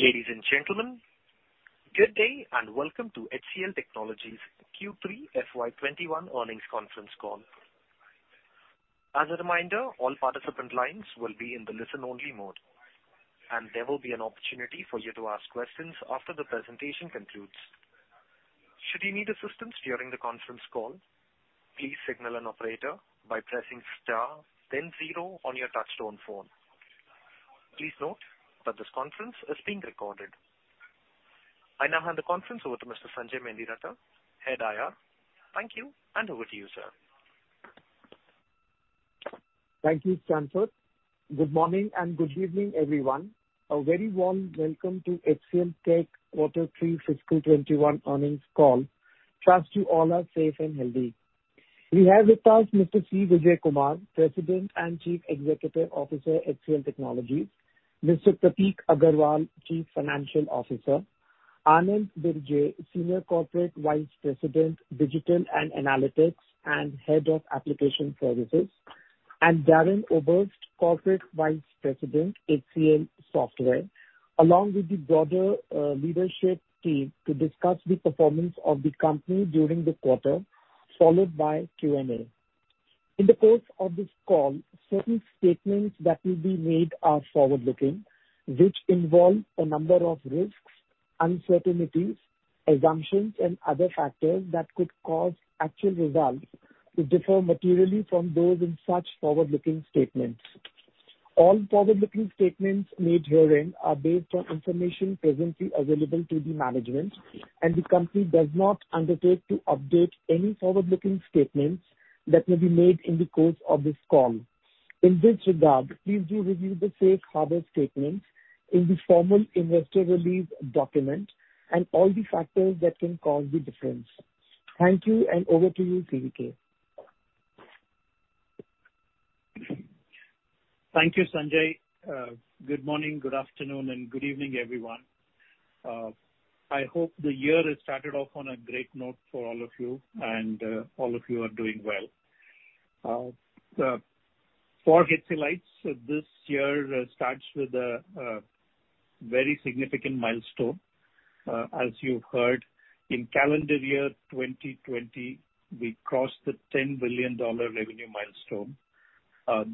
Ladies and gentlemen, good day and welcome to HCL Technologies Q3 FY2021 earnings conference call. As a reminder, all participant lines will be in the listen-only mode, and there will be an opportunity for you to ask questions after the presentation concludes. Should you need assistance during the conference call, please signal an operator by pressing star, then zero on your touchtone phone. Please note that this conference is being recorded. I now hand the conference over to Mr. Sanjay Mendiratta, Head of Investor Relations. Thank you, and over to you, sir. Thank you, Sanjay. Good morning and good evening, everyone. A very warm welcome to HCLTech Quarter 3 Fiscal 2021 earnings call. Trust you all are safe and healthy. We have with us Mr. C. Vijayakumar, President and Chief Executive Officer at HCL Technologies; Mr. Prateek Aggarwal, Chief Financial Officer; Anand Birje, Senior Corporate Vice President, Digital and Analytics and Head of Application Services; and Darren Oberst, Corporate Vice President, HCL Software, along with the broader leadership team to discuss the performance of the company during the quarter, followed by Q&A. In the course of this call, certain statements that will be made are forward-looking, which involve a number of risks, uncertainties, assumptions, and other factors that could cause actual results to differ materially from those in such forward-looking statements. All forward-looking statements made herein are based on information presently available to the management, and the company does not undertake to update any forward-looking statements that will be made in the course of this call. In this regard, please do review the Safe Harbor statements in the formal investor release document and all the factors that can cause the difference. Thank you, and over to you, C.V.K Thank you, Sanjay. Good morning, good afternoon, and good evening, everyone. I hope the year has started off on a great note for all of you, and all of you are doing well. For HCLTech, this year starts with a very significant milestone. As you've heard, in calendar year 2020, we crossed the $10 billion revenue milestone.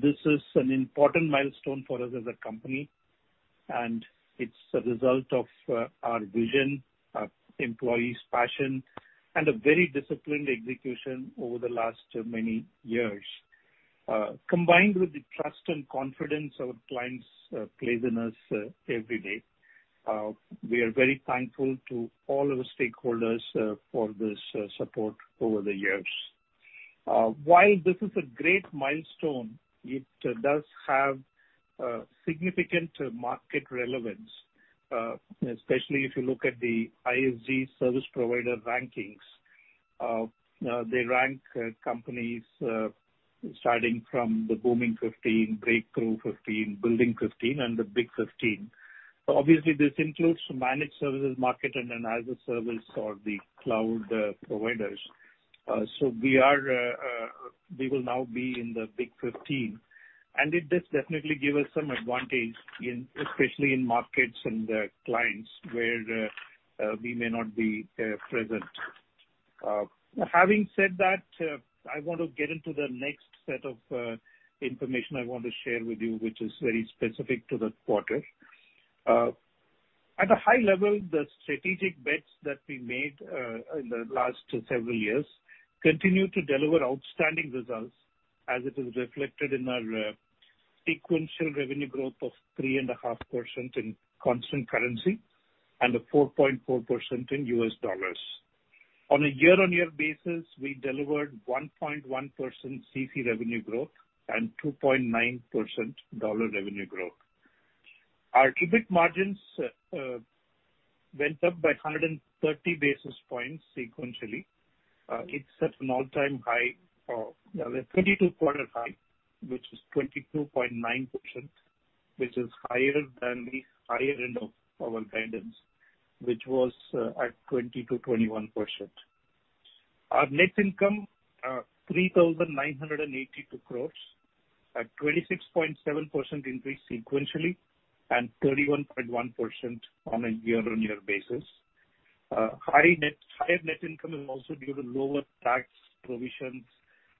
This is an important milestone for us as a company, and it's the result of our vision, our employees' passion, and a very disciplined execution over the last many years. Combined with the trust and confidence our clients place in us every day, we are very thankful to all of our stakeholders for this support over the years. While this is a great milestone, it does have significant market relevance, especially if you look at the ISG service provider rankings. They rank companies starting from the Booming 15, Breakthrough 15, Building 15, and the Big 15. Obviously, this includes managed services, market, and then as a service or the cloud providers. We will now be in the Big 15, and it does definitely give us some advantage, especially in markets and clients where we may not be present. Having said that, I want to get into the next set of information I want to share with you, which is very specific to the quarter. At a high level, the strategic bets that we made in the last several years continue to deliver outstanding results, as it is reflected in our sequential revenue growth of 3.5% in constant currency and 4.4% in US dollars. On a year-on-year basis, we delivered 1.1% CC revenue growth and 2.9% dollar revenue growth. Our EBIT margins went up by 130 basis points sequentially. It's at an all-time high, the 32-quarter high, which is 22.9%, which is higher than the higher end of our guidance, which was at 22.21%. Our net income is 3,982 crore, a 26.7% increase sequentially and 31.1% on a year-on-year basis. Higher net income is also due to lower tax provisions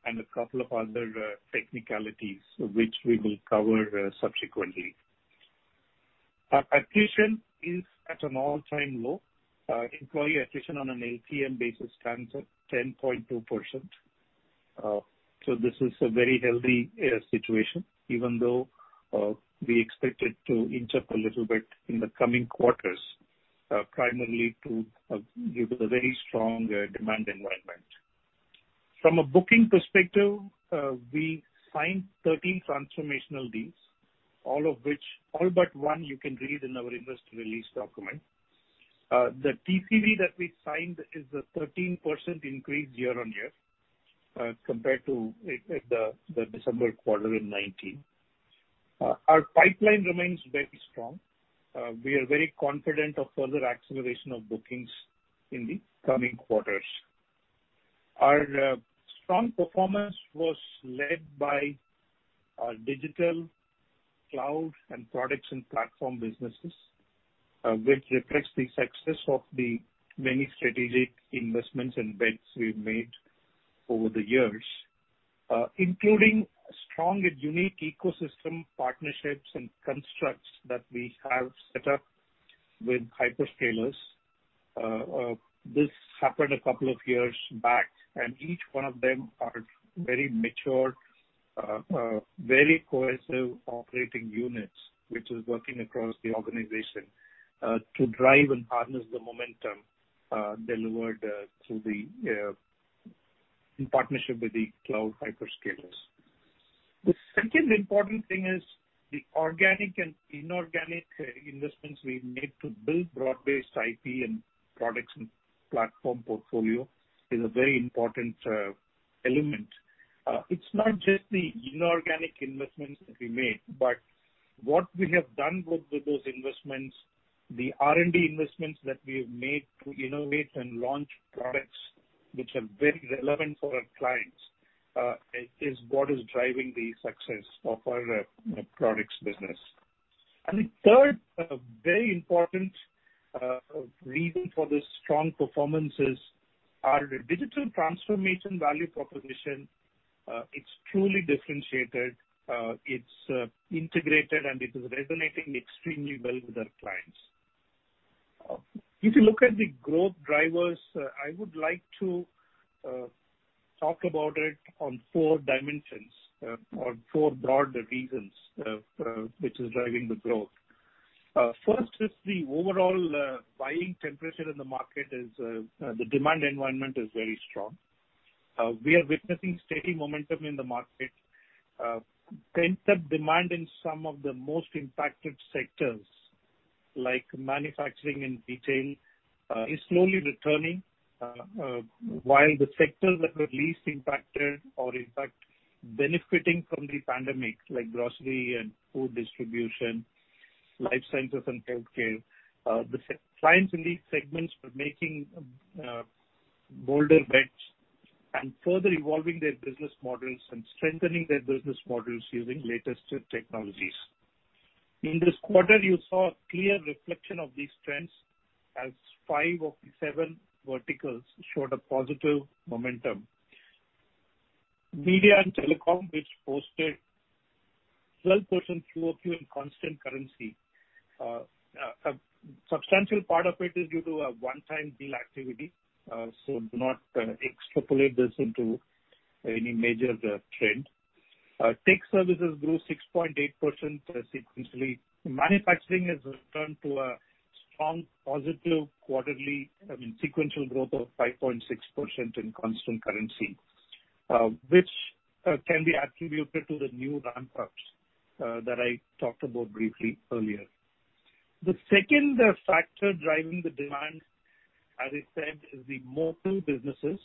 and a couple of other technicalities, which we will cover subsequently. Our attrition is at an all-time low. Employee attrition on an LTM basis stands at 10.2%. This is a very healthy situation, even though we expect it to inch up a little bit in the coming quarters, primarily due to the very strong demand environment. From a booking perspective, we signed 13 transformational deals, all of which—all but one you can read in our investor release document. The TCV that we signed is a 13% increase year-on-year compared to the December quarter in 2019. Our pipeline remains very strong. We are very confident of further acceleration of bookings in the coming quarters. Our strong performance was led by our digital cloud and products and platform businesses, which reflects the success of the many strategic investments and bets we've made over the years, including strong and unique ecosystem partnerships and constructs that we have set up with hyperscalers. This happened a couple of years back, and each one of them are very mature, very cohesive operating units, which is working across the organization to drive and harness the momentum delivered through the partnership with the cloud hyperscalers. The second important thing is the organic and inorganic investments we made to build broad-based IP and products and platform portfolio is a very important element. It's not just the inorganic investments that we made, but what we have done with those investments, the R&D investments that we have made to innovate and launch products which are very relevant for our clients, is what is driving the success of our products business. The third very important reason for this strong performance is our digital transformation value proposition. It's truly differentiated. It's integrated, and it is resonating extremely well with our clients. If you look at the growth drivers, I would like to talk about it on four dimensions or four broad reasons which are driving the growth. First is the overall buying temperature in the market. The demand environment is very strong. We are witnessing steady momentum in the market. Pent-up demand in some of the most impacted sectors, like manufacturing and retail, is slowly returning, while the sectors that were least impacted or, in fact, benefiting from the pandemic, like grocery and food distribution, life sciences, and healthcare, the clients in these segments are making bolder bets and further evolving their business models and strengthening their business models using latest technologies. In this quarter, you saw a clear reflection of these trends as five of the seven verticals showed a positive momentum. Media and Telecom, which posted 12% fewer revenues in constant currency. A substantial part of it is due to a one-time deal activity. Do not extrapolate this into any major trend. Tech services grew 6.8% sequentially. Manufacturing has returned to a strong positive quarterly, I mean, sequential growth of 5.6% in constant currency, which can be attributed to the new ramp-ups that I talked about briefly earlier. The second factor driving the demand, as I said, is the mobile businesses,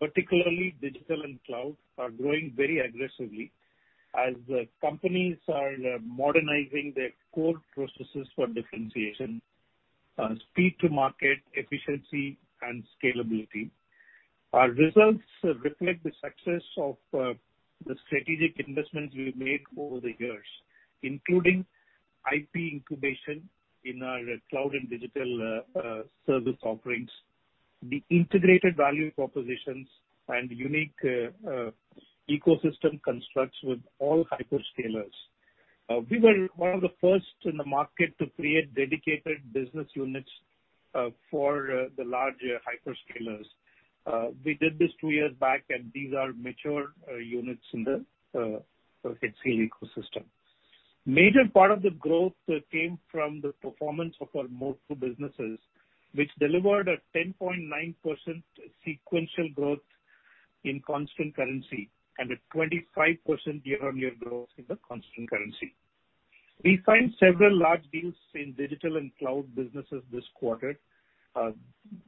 particularly digital and cloud, are growing very aggressively as the companies are modernizing their core processes for differentiation, speed to market, efficiency, and scalability. Our results reflect the success of the strategic investments we've made over the years, including IP incubation in our cloud and digital service offerings, the integrated value propositions, and unique ecosystem constructs with all hyperscalers. We were one of the first in the market to create dedicated business units for the large hyperscalers. We did this two years back, and these are mature units in the HCL ecosystem. Major part of the growth came from the performance of our mobile businesses, which delivered a 10.9% sequential growth in constant currency and a 25% year-on-year growth in the constant currency. We signed several large deals in digital and cloud businesses this quarter,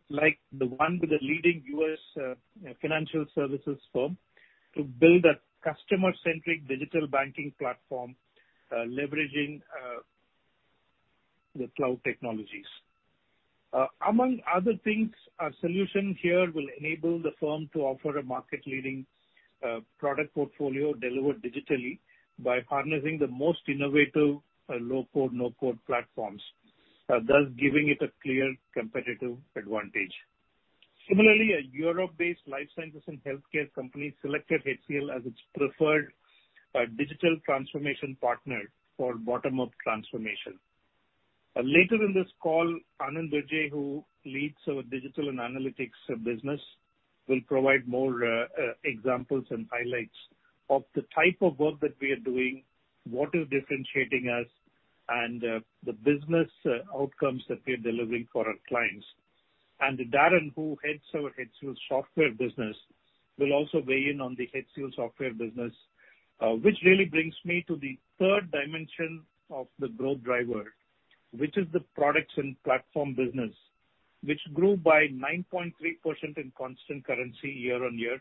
like the one with the leading U.S. financial services firm to build a customer-centric digital banking platform leveraging the cloud technologies. Among other things, our solution here will enable the firm to offer a market-leading product portfolio delivered digitally by harnessing the most innovative low-code, no-code platforms, thus giving it a clear competitive advantage. Similarly, a Europe-based life sciences and healthcare company selected HCL as its preferred digital transformation partner for bottom-up transformation. Later in this call, Anand Birje, who leads our digital and analytics business, will provide more examples and highlights of the type of work that we are doing, what is differentiating us, and the business outcomes that we are delivering for our clients. Darren, who heads our HCL Software business, will also weigh in on the HCL Software business, which really brings me to the third dimension of the growth driver, which is the products and platform business, which grew by 9.3% in constant currency year-on-year,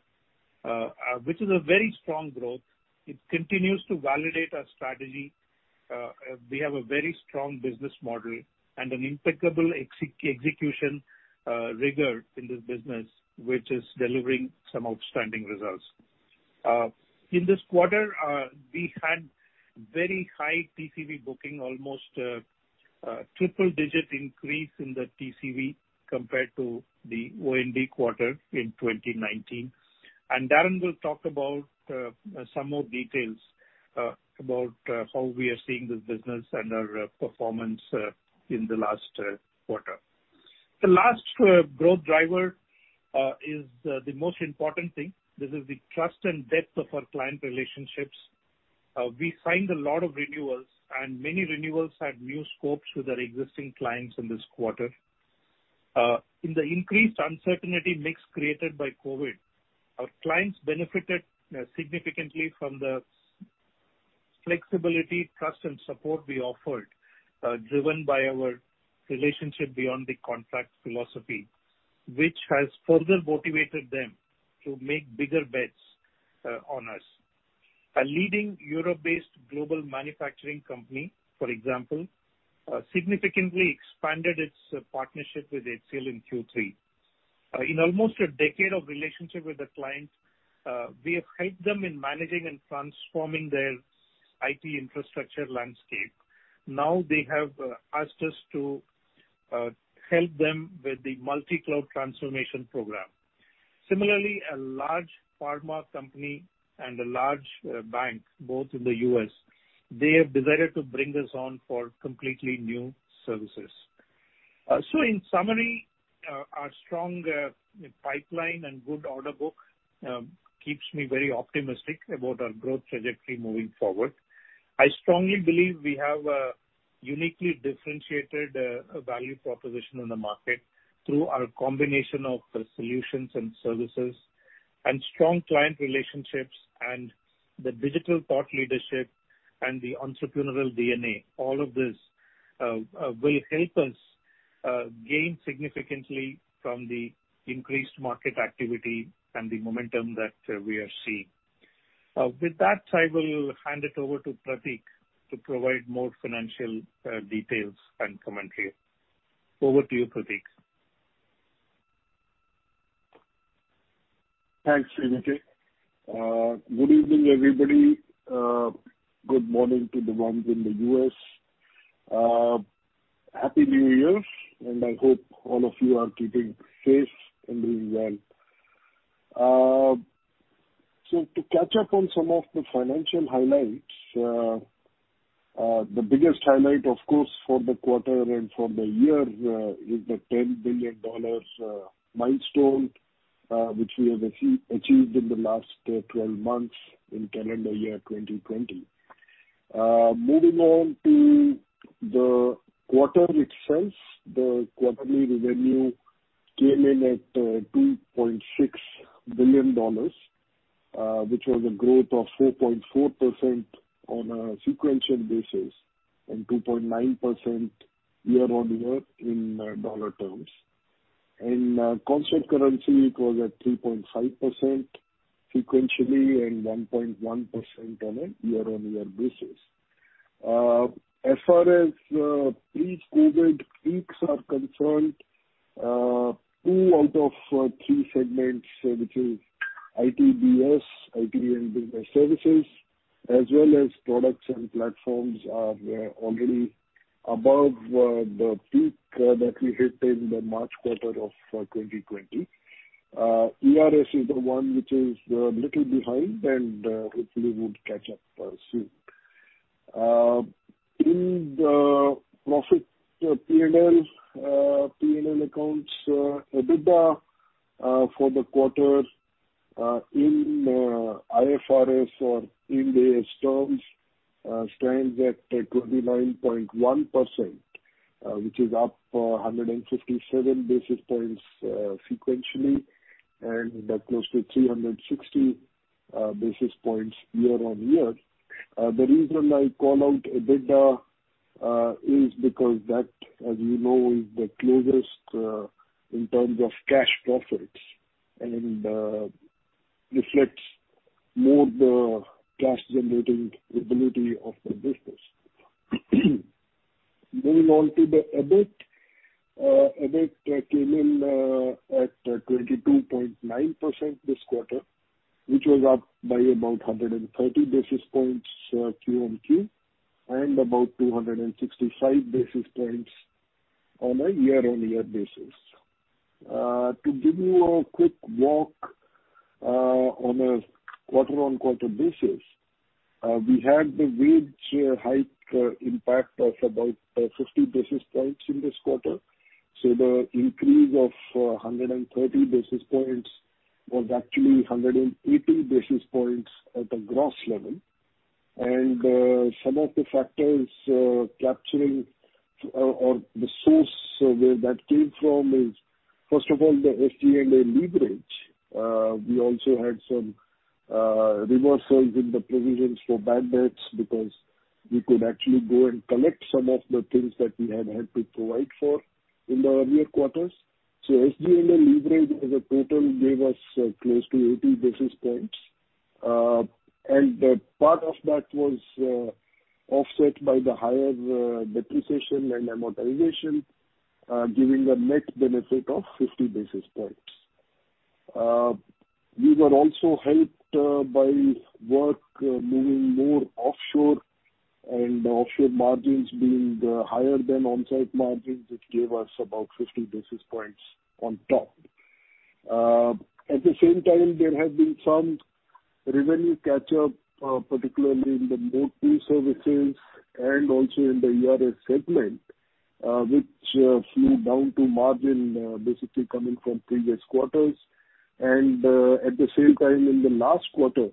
which is a very strong growth. It continues to validate our strategy. We have a very strong business model and an impeccable execution rigor in this business, which is delivering some outstanding results. In this quarter, we had very high TCV booking, almost a triple-digit increase in the TCV compared to the O&D quarter in 2019. Darren will talk about some more details about how we are seeing this business and our performance in the last quarter. The last growth driver is the most important thing. This is the trust and depth of our client relationships. We signed a lot of renewals, and many renewals had new scopes with our existing clients in this quarter. In the increased uncertainty mix created by COVID, our clients benefited significantly from the flexibility, trust, and support we offered, driven by our relationship beyond the contract philosophy, which has further motivated them to make bigger bets on us. A leading Europe-based global manufacturing company, for example, significantly expanded its partnership with HCL in Q3. In almost a decade of relationship with the client, we have helped them in managing and transforming their IP infrastructure landscape. Now they have asked us to help them with the multi-cloud transformation program. Similarly, a large pharma company and a large bank, both in the U.S., they have decided to bring us on for completely new services. In summary, our strong pipeline and good order book keeps me very optimistic about our growth trajectory moving forward. I strongly believe we have a uniquely differentiated value proposition in the market through our combination of the solutions and services and strong client relationships and the digital thought leadership and the entrepreneurial DNA. All of this will help us gain significantly from the increased market activity and the momentum that we are seeing. With that, I will hand it over to Prateek to provide more financial details and commentary. Over to you, Prateek. Thanks, CVK Good evening, everybody. Good morning to the ones in the U.S. Happy New Year, and I hope all of you are keeping safe and doing well. To catch up on some of the financial highlights, the biggest highlight, of course, for the quarter and for the year is the $10 billion milestone, which we have achieved in the last 12 months in calendar year 2020. Moving on to the quarter itself, the quarterly revenue came in at $2.6 billion, which was a growth of 4.4% on a sequential basis and 2.9% year-on-year in dollar terms. In constant currency, it was at 3.5% sequentially and 1.1% on a year-on-year basis. As far as pre-COVID peaks are concerned, two out of three segments, which is IT and Business Services, as well as Products and Platforms, are already above the peak that we hit in the March quarter of 2020. ERS is the one which is a little behind and hopefully would catch up soon. In the profit P&L accounts, EBITDA for the quarter in IFRS or in AS terms stands at 29.1%, which is up 157 basis points sequentially and close to 360 basis points year-on-year. The reason I call out EBITDA is because that, as you know, is the closest in terms of cash profits and reflects more the cash-generating ability of the business. Moving on to the EBIT, EBIT came in at 22.9% this quarter, which was up by about 130 basis points Q&Q and about 265 basis points on a year-on-year basis. To give you a quick walk on a quarter-on-quarter basis, we had the wage hike impact of about 50 basis points in this quarter. The increase of 130 basis points was actually 180 basis points at a gross level. Some of the factors capturing or the source where that came from is, first of all, the SG&A leverage. We also had some reversals in the provisions for bad bets because we could actually go and collect some of the things that we had had to provide for in the earlier quarters. SG&A leverage as a total gave us close to 80 basis points. Part of that was offset by the higher depreciation and amortization, giving a net benefit of 50 basis points. We were also helped by work moving more offshore and offshore margins being higher than onsite margins, which gave us about 50 basis points on top. At the same time, there had been some revenue catch-up, particularly in the mobile services and also in the ERS segment, which flew down to margin basically coming from previous quarters. At the same time, in the last quarter,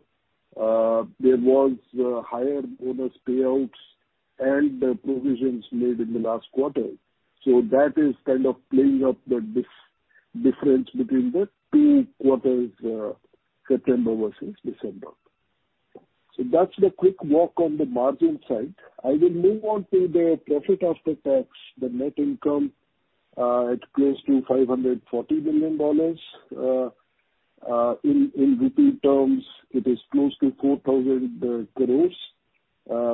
there was higher bonus payouts and provisions made in the last quarter. That is kind of playing up the difference between the two quarters, September versus December. That is the quick walk on the margin side. I will move on to the profit after tax, the net income at close to $540 million. In rupee terms, it is close to 4,000 crores,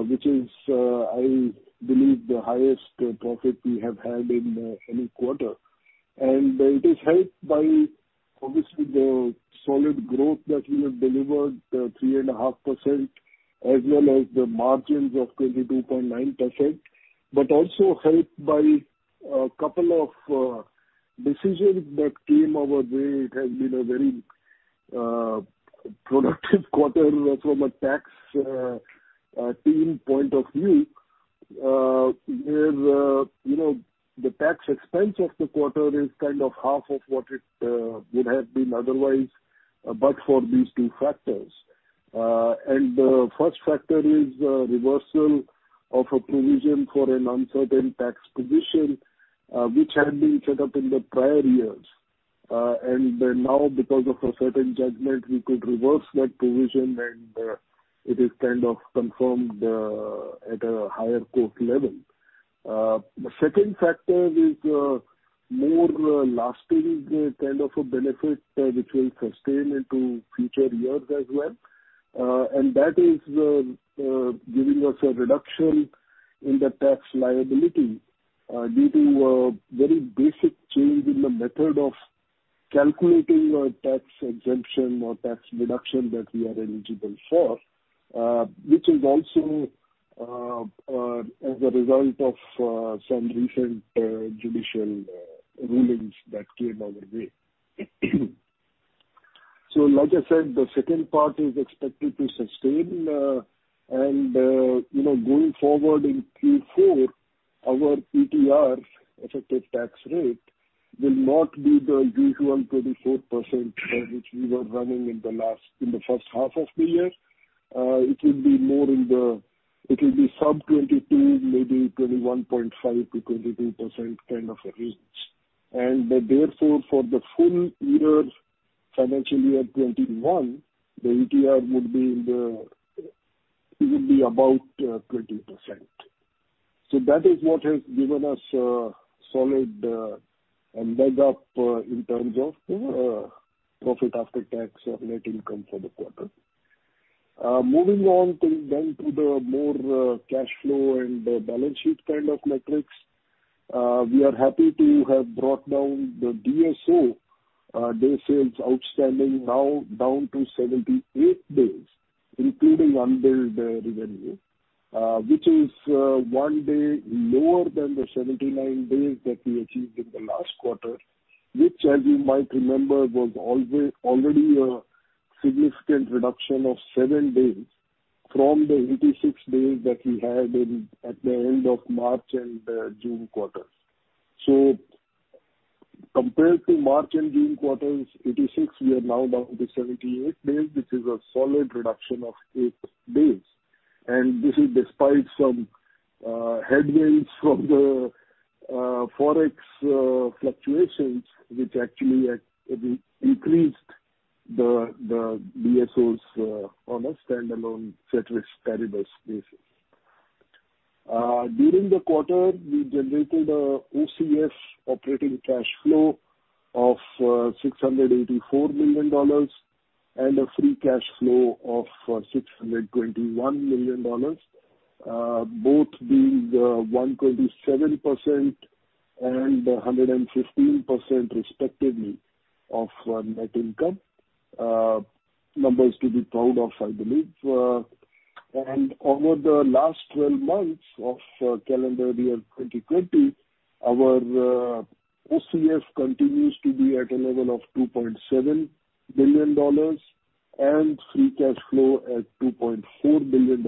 which is, I believe, the highest profit we have had in any quarter. It is helped by, obviously, the solid growth that we have delivered, 3.5%, as well as the margins of 22.9%, but also helped by a couple of decisions that came our way. It has been a very productive quarter from a tax team point of view, where the tax expense of the quarter is kind of half of what it would have been otherwise, but for these two factors. The first factor is reversal of a provision for an uncertain tax position, which had been set up in the prior years. Now, because of a certain judgment, we could reverse that provision, and it is kind of confirmed at a higher court level. The second factor is a more lasting kind of a benefit which will sustain into future years as well. That is giving us a reduction in the tax liability due to a very basic change in the method of calculating tax exemption or tax deduction that we are eligible for, which is also as a result of some recent judicial rulings that came our way. Like I said, the second part is expected to sustain. Going forward in Q4, our ETR, effective tax rate, will not be the usual 24% which we were running in the first half of the year. It will be more in the sub-22, maybe 21.55-22% kind of a range. Therefore, for the full year, financial year 2021, the ETR would be about 20%. That is what has given us solid and leg up in terms of profit after tax or net income for the quarter. Moving on then to the more cash flow and balance sheet kind of metrics, we are happy to have brought down the DSO, days sales outstanding now, down to 78 days, including unbilled revenue, which is one day lower than the 79 days that we achieved in the last quarter, which, as you might remember, was already a significant reduction of 7 days from the 86 days that we had at the end of March and June quarters. Compared to March and June quarters, 86, we are now down to 78 days, which is a solid reduction of 8 days. This is despite some headwinds from the forex fluctuations, which actually increased the DSOs on a standalone CETRIS carrybase basis. During the quarter, we generated an OCF operating cash flow of $684 million and a free cash flow of $621 million, both being the 127% and the 115% respectively of net income numbers to be proud of, I believe. Over the last 12 months of calendar year 2020, our OCF continues to be at a level of $2.7 billion and free cash flow at $2.4 billion.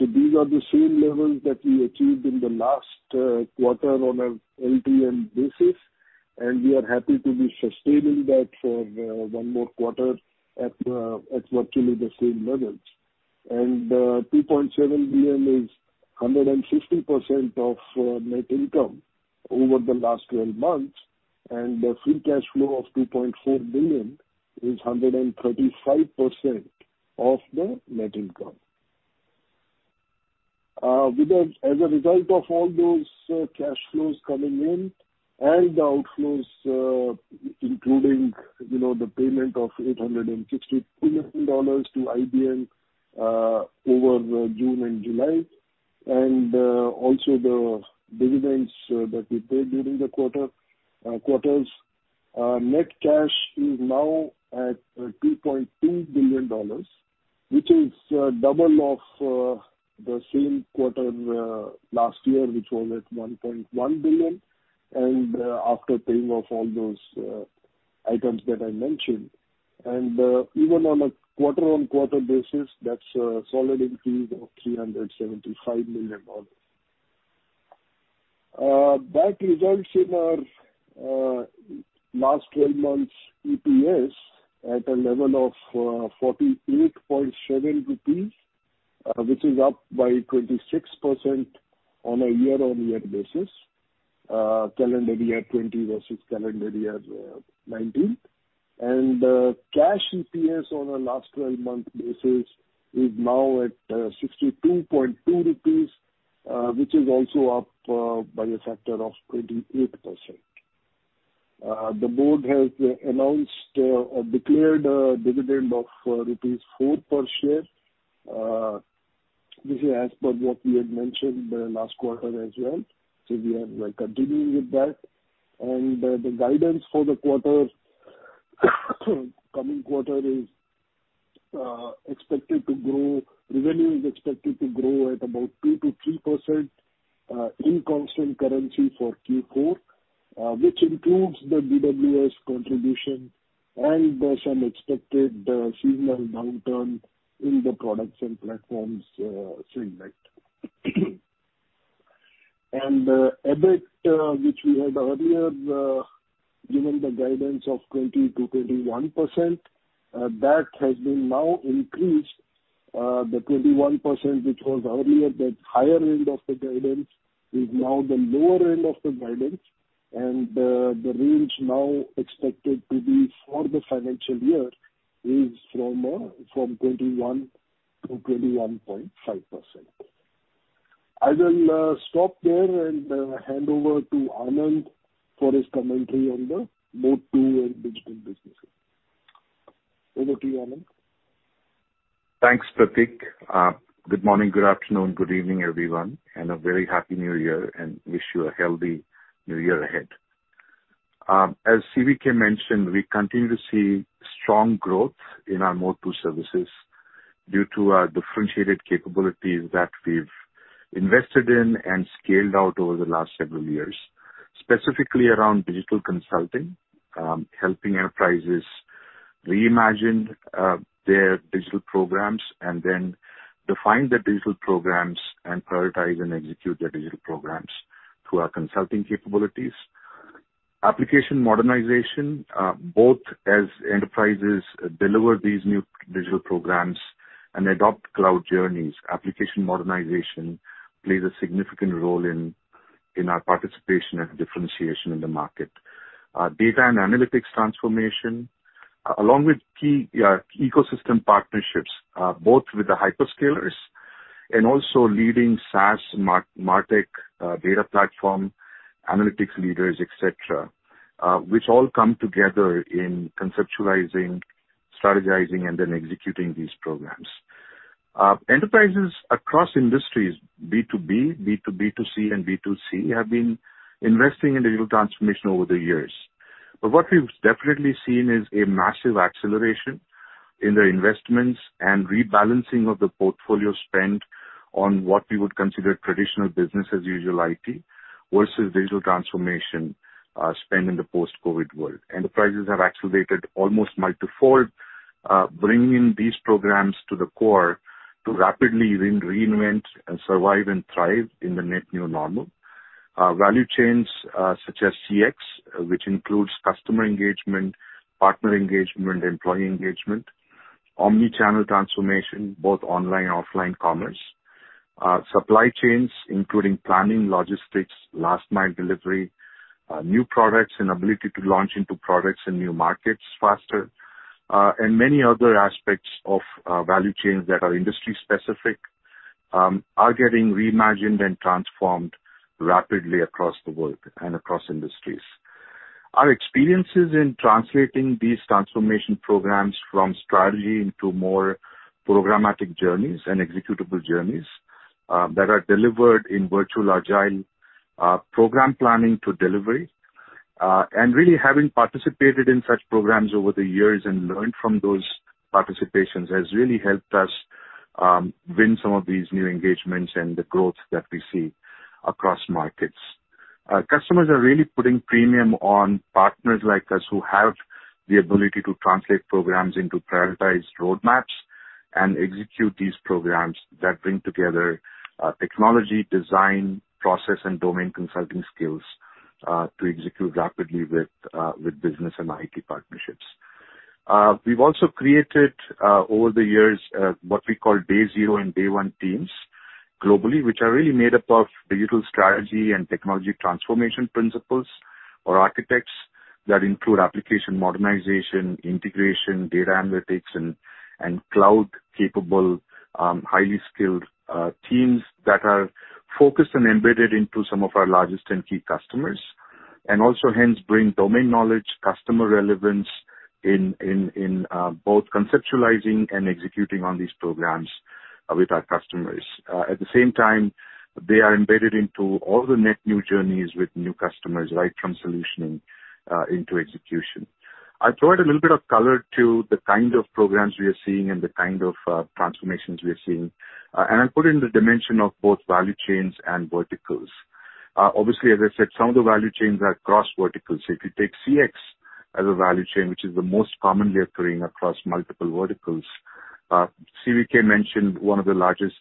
These are the same levels that we achieved in the last quarter on an LTM basis. We are happy to be sustaining that for one more quarter at virtually the same levels. $2.7 billion is 150% of net income over the last 12 months. The free cash flow of $2.4 billion is 135% of the net income. As a result of all those cash flows coming in and the outflows, including the payment of $862 million to IBM over June and July, and also the dividends that we paid during the quarters, net cash is now at $2.2 billion, which is double of the same quarter last year, which was at $1.1 billion, and after paying off all those items that I mentioned. Even on a quarter-on-quarter basis, that's a solid increase of $375 million. That results in our last 12 months EPS at a level of 48.7 rupees, which is up by 26% on a year-on-year basis, calendar year 2020 versus calendar year 2019. Cash EPS on a last 12-month basis is now at 62.2 rupees, which is also up by a factor of 28%. The board has announced or declared a dividend of rupees 4 per share. This is as per what we had mentioned the last quarter as well. We are continuing with that. The guidance for the coming quarter is expected to grow; revenue is expected to grow at about 2%-3% in constant currency for Q4, which includes the BWS contribution and some expected seasonal downturn in the products and platforms segment. EBIT, which we had earlier given the guidance of 20%-21%, has been now increased. The 21%, which was earlier the higher end of the guidance, is now the lower end of the guidance. The range now expected to be for the financial year is from 21%-21.5%. I will stop there and hand over to Anand for his commentary on the mobile and digital businesses. Over to you, Anand. Thanks, Prateek. Good morning, good afternoon, good evening, everyone. A very happy New Year and wish you a healthy New Year ahead. As C. Vijayakumar mentioned, we continue to see strong growth in our mobile services due to our differentiated capabilities that we've invested in and scaled out over the last several years, specifically around digital consulting, helping enterprises reimagine their digital programs and then define the digital programs and prioritize and execute the digital programs through our consulting capabilities. Application modernization, both as enterprises deliver these new digital programs and adopt cloud journeys, application modernization plays a significant role in our participation and differentiation in the market. Data and analytics transformation, along with key ecosystem partnerships, both with the hyperscalers and also leading SaaS, MarTech, data platform, analytics leaders, etc., which all come together in conceptualizing, strategizing, and then executing these programs. Enterprises across industries, B2B, B2B2C, and B2C, have been investing in digital transformation over the years. What we've definitely seen is a massive acceleration in the investments and rebalancing of the portfolio spend on what we would consider traditional business-as-usual IT versus digital transformation spend in the post-COVID world. Enterprises have accelerated almost multifold, bringing in these programs to the core to rapidly reinvent, survive, and thrive in the net new normal. Value chains such as CX, which includes customer engagement, partner engagement, employee engagement, omnichannel transformation, both online and offline commerce, supply chains, including planning, logistics, last-mile delivery, new products, and ability to launch into products and new markets faster, and many other aspects of value chains that are industry-specific are getting reimagined and transformed rapidly across the world and across industries. Our experiences in translating these transformation programs from strategy into more programmatic journeys and executable journeys that are delivered in virtual agile program planning to delivery, and really having participated in such programs over the years and learned from those participations has really helped us win some of these new engagements and the growth that we see across markets. Customers are really putting premium on partners like us who have the ability to translate programs into prioritized roadmaps and execute these programs that bring together technology, design, process, and domain consulting skills to execute rapidly with business and IT partnerships. We've also created over the years what we call Day Zero and Day One teams globally, which are really made up of digital strategy and technology transformation principles or architects that include application modernization, integration, data analytics, and cloud-capable highly skilled teams that are focused and embedded into some of our largest and key customers, and also hence bring domain knowledge, customer relevance in both conceptualizing and executing on these programs with our customers. At the same time, they are embedded into all the net new journeys with new customers right from solutioning into execution. I'll throw a little bit of color to the kind of programs we are seeing and the kind of transformations we are seeing. I'll put it in the dimension of both value chains and verticals. Obviously, as I said, some of the value chains are cross-vertical. If you take CX as a value chain, which is the most commonly occurring across multiple verticals, CVK mentioned one of the largest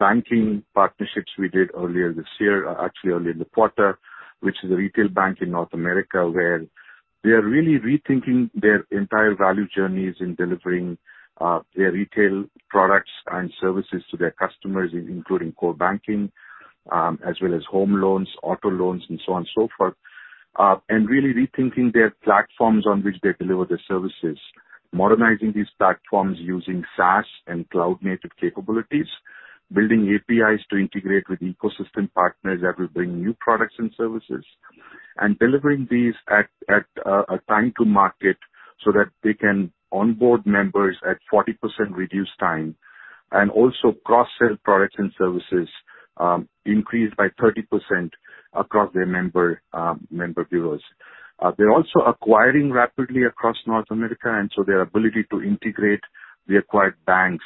banking partnerships we did earlier this year, actually earlier in the quarter, which is a retail bank in North America where they are really rethinking their entire value journeys in delivering their retail products and services to their customers, including core banking, as well as home loans, auto loans, and so on and so forth, and really rethinking their platforms on which they deliver their services, modernizing these platforms using SaaS and cloud-native capabilities, building APIs to integrate with ecosystem partners that will bring new products and services, and delivering these at a time to market so that they can onboard members at 40% reduced time and also cross-sell products and services increased by 30% across their member bureaus. They're also acquiring rapidly across North America. Their ability to integrate the acquired banks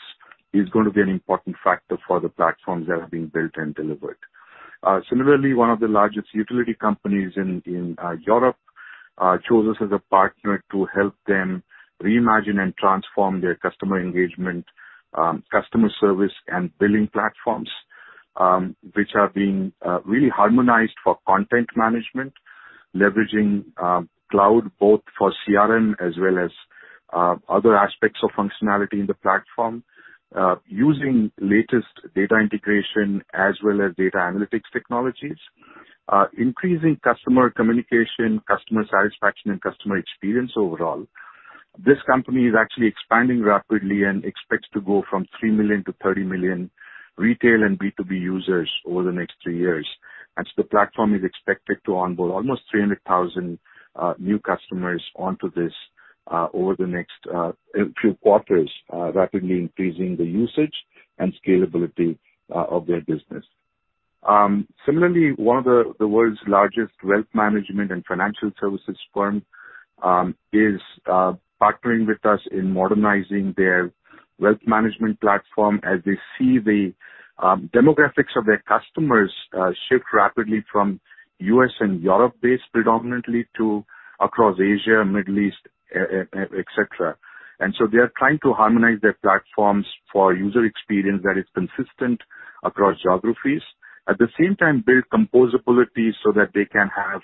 is going to be an important factor for the platforms that are being built and delivered. Similarly, one of the largest utility companies in Europe chose us as a partner to help them reimagine and transform their customer engagement, customer service, and billing platforms, which are being really harmonized for content management, leveraging cloud both for CRM as well as other aspects of functionality in the platform, using latest data integration as well as data analytics technologies, increasing customer communication, customer satisfaction, and customer experience overall. This company is actually expanding rapidly and expects to go from 3 million to 30 million retail and B2B users over the next three years. The platform is expected to onboard almost 300,000 new customers onto this over the next few quarters, rapidly increasing the usage and scalability of their business. Similarly, one of the world's largest wealth management and financial services firms is partnering with us in modernizing their wealth management platform as they see the demographics of their customers shift rapidly from US and Europe-based predominantly to across Asia, Middle East, etc. They are trying to harmonize their platforms for user experience that is consistent across geographies, at the same time build composability so that they can have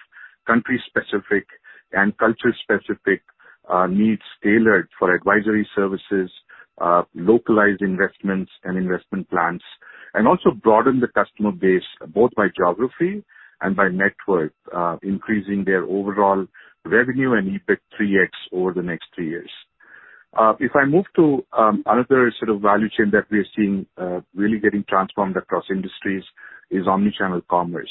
country-specific and culture-specific needs tailored for advisory services, localized investments, and investment plans, and also broaden the customer base both by geography and by network, increasing their overall revenue and EPIC 3X over the next three years. If I move to another sort of value chain that we are seeing really getting transformed across industries is omnichannel commerce,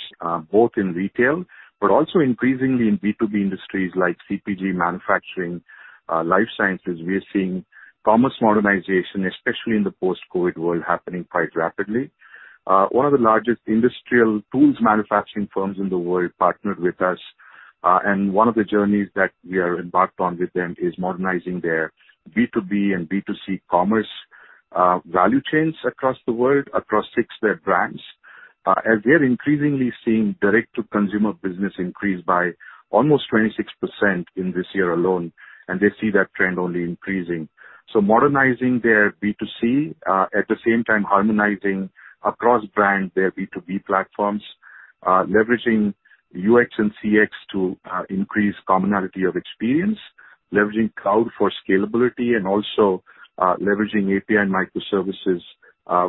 both in retail, but also increasingly in B2B industries like CPG, manufacturing, life sciences. We are seeing commerce modernization, especially in the post-COVID world, happening quite rapidly. One of the largest industrial tools manufacturing firms in the world partnered with us. One of the journeys that we are embarked on with them is modernizing their B2B and B2C commerce value chains across the world, across six brands. As they are increasingly seeing direct-to-consumer business increase by almost 26% in this year alone, and they see that trend only increasing. Modernizing their B2C, at the same time harmonizing across brand their B2B platforms, leveraging UX and CX to increase commonality of experience, leveraging cloud for scalability, and also leveraging API microservices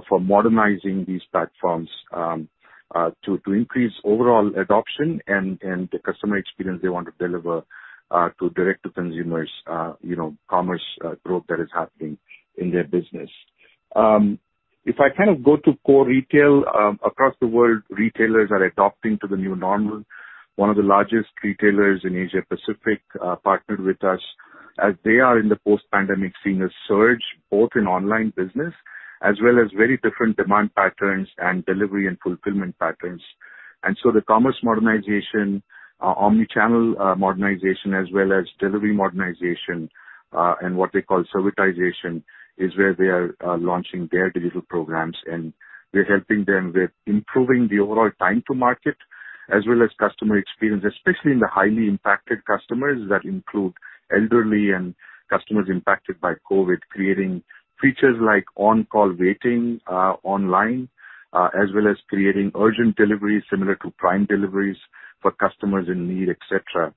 for modernizing these platforms to increase overall adoption and the customer experience they want to deliver to direct-to-consumers commerce growth that is happening in their business. If I kind of go to core retail, across the world, retailers are adopting to the new normal. One of the largest retailers in Asia-Pacific partnered with us as they are in the post-pandemic senior surge, both in online business as well as very different demand patterns and delivery and fulfillment patterns. The commerce modernization, omnichannel modernization, as well as delivery modernization and what they call servitization is where they are launching their digital programs. We are helping them with improving the overall time to market as well as customer experience, especially in the highly impacted customers that include elderly and customers impacted by COVID, creating features like on-call waiting online as well as creating urgent deliveries similar to prime deliveries for customers in need, etc.,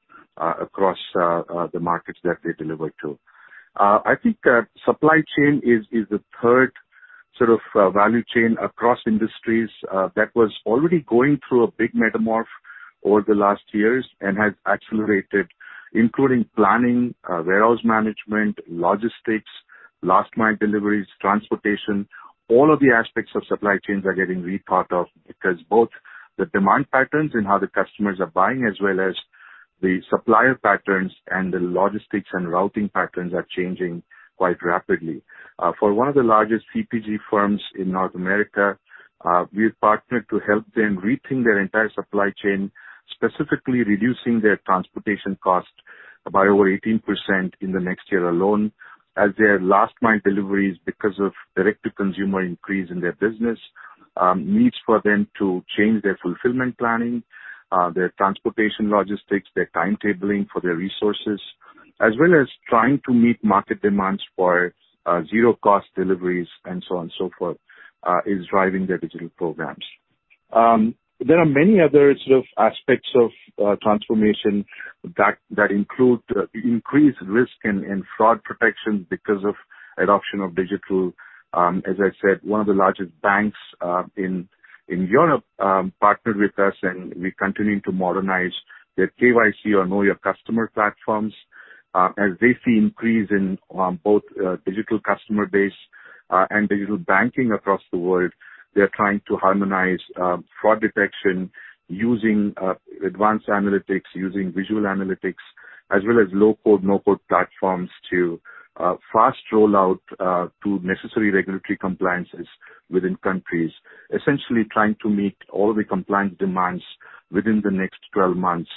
across the markets that they deliver to. I think supply chain is the third sort of value chain across industries that was already going through a big metamorph over the last years and has accelerated, including planning, warehouse management, logistics, last-mile deliveries, transportation. All of the aspects of supply chains are getting repart of because both the demand patterns and how the customers are buying as well as the supplier patterns and the logistics and routing patterns are changing quite rapidly. For one of the largest CPG firms in North America, we've partnered to help them rethink their entire supply chain, specifically reducing their transportation cost by over 18% in the next year alone as their last-mile deliveries because of direct-to-consumer increase in their business needs for them to change their fulfillment planning, their transportation logistics, their timetabling for their resources, as well as trying to meet market demands for zero-cost deliveries and so on and so forth is driving their digital programs. There are many other sort of aspects of transformation that include increased risk and fraud protection because of adoption of digital. As I said, one of the largest banks in Europe partnered with us, and we're continuing to modernize their KYC or Know Your Customer platforms. As they see increase in both digital customer base and digital banking across the world, they're trying to harmonize fraud detection using advanced analytics, using visual analytics, as well as low-code, no-code platforms to fast rollout to necessary regulatory compliances within countries, essentially trying to meet all the compliance demands within the next 12 months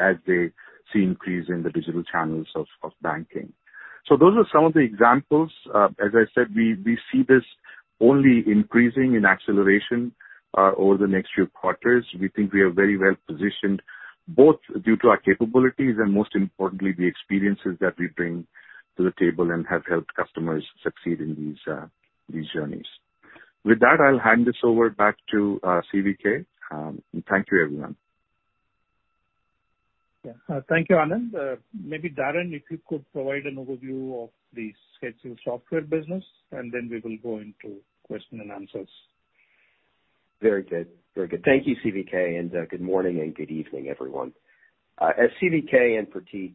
as they see increase in the digital channels of banking. Those are some of the examples. As I said, we see this only increasing in acceleration over the next few quarters. We think we are very well positioned both due to our capabilities and, most importantly, the experiences that we bring to the table and have helped customers succeed in these journeys. With that, I'll hand this over back to CVK Thank you, everyone. Yeah. Thank you, Anand. Maybe Darren, if you could provide an overview of the schedule software business, and then we will go into question-and-answers. Very good. Very good. Thank you, CVK, and good morning and good evening, everyone. As CVK and Prateek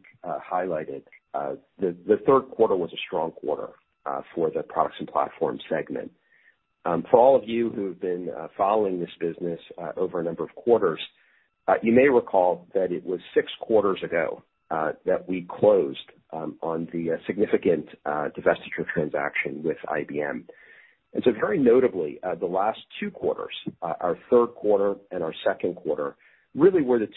highlighted, the third quarter was a strong quarter for the products and platform segment. For all of you who have been following this business over a number of quarters, you may recall that it was six quarters ago that we closed on the significant divestiture transaction with IBM. Very notably, the last two quarters, our third quarter and our second quarter, really were the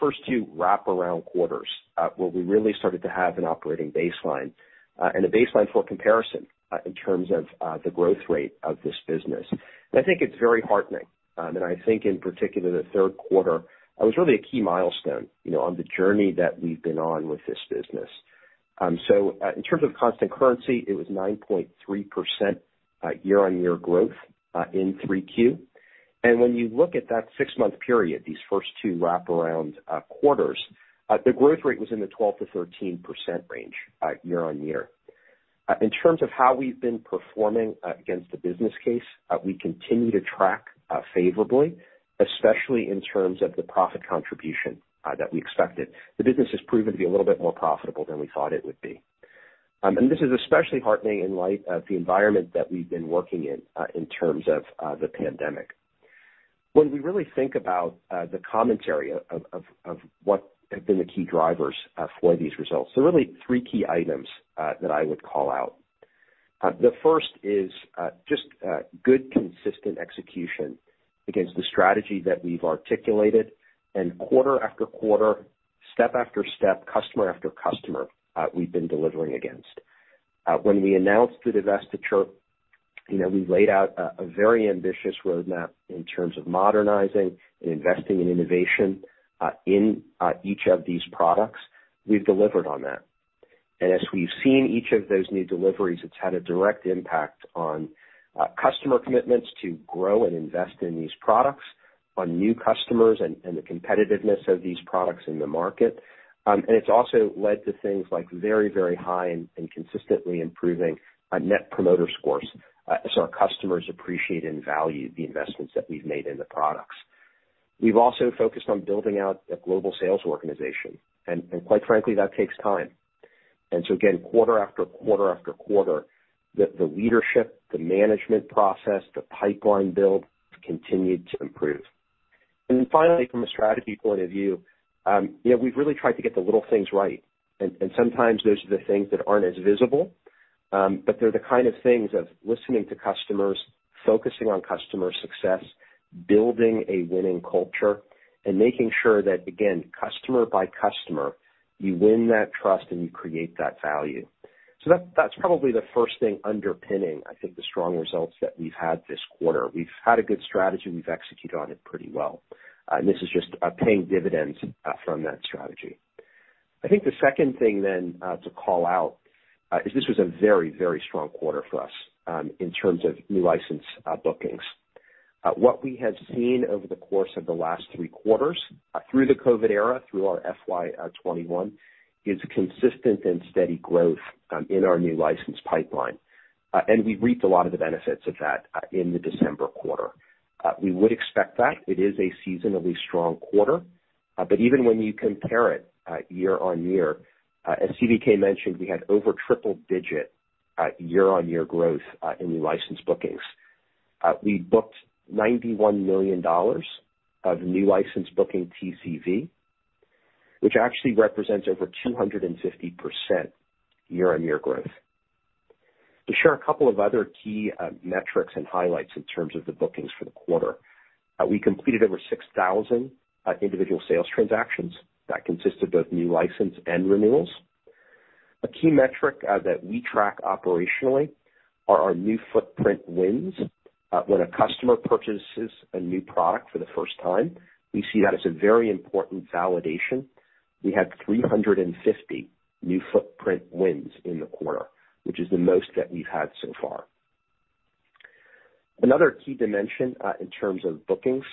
first two wrap-around quarters where we really started to have an operating baseline and a baseline for comparison in terms of the growth rate of this business. I think it is very heartening. I think in particular, the third quarter was really a key milestone on the journey that we have been on with this business. In terms of constant currency, it was 9.3% year-on-year growth in 3Q. When you look at that six-month period, these first two wrap-around quarters, the growth rate was in the 12%-13% range year-on-year. In terms of how we've been performing against the business case, we continue to track favorably, especially in terms of the profit contribution that we expected. The business has proven to be a little bit more profitable than we thought it would be. This is especially heartening in light of the environment that we've been working in in terms of the pandemic. When we really think about the commentary of what have been the key drivers for these results, there are really three key items that I would call out. The first is just good, consistent execution against the strategy that we've articulated and quarter after quarter, step after step, customer after customer, we've been delivering against. When we announced the divestiture, we laid out a very ambitious roadmap in terms of modernizing and investing in innovation in each of these products. We've delivered on that. As we've seen each of those new deliveries, it's had a direct impact on customer commitments to grow and invest in these products, on new customers and the competitiveness of these products in the market. It's also led to things like very, very high and consistently improving net promoter scores. Our customers appreciate and value the investments that we've made in the products. We've also focused on building out a global sales organization. Quite frankly, that takes time. Quarter after quarter after quarter, the leadership, the management process, the pipeline build continued to improve. Finally, from a strategy point of view, we've really tried to get the little things right. Sometimes those are the things that aren't as visible, but they're the kind of things of listening to customers, focusing on customer success, building a winning culture, and making sure that, again, customer by customer, you win that trust and you create that value. That's probably the first thing underpinning, I think, the strong results that we've had this quarter. We've had a good strategy. We've executed on it pretty well. This is just paying dividends from that strategy. I think the second thing then to call out is this was a very, very strong quarter for us in terms of new license bookings. What we have seen over the course of the last three quarters through the COVID era, through our FY 2021, is consistent and steady growth in our new license pipeline. We reaped a lot of the benefits of that in the December quarter. We would expect that. It is a seasonally strong quarter. Even when you compare it year-on-year, as CVK mentioned, we had over triple-digit year-on-year growth in new license bookings. We booked $91 million of new license booking TCV, which actually represents over 250% year-on-year growth. To share a couple of other key metrics and highlights in terms of the bookings for the quarter, we completed over 6,000 individual sales transactions that consisted of new license and renewals. A key metric that we track operationally are our new footprint wins. When a customer purchases a new product for the first time, we see that as a very important validation. We had 350 new footprint wins in the quarter, which is the most that we've had so far. Another key dimension in terms of bookings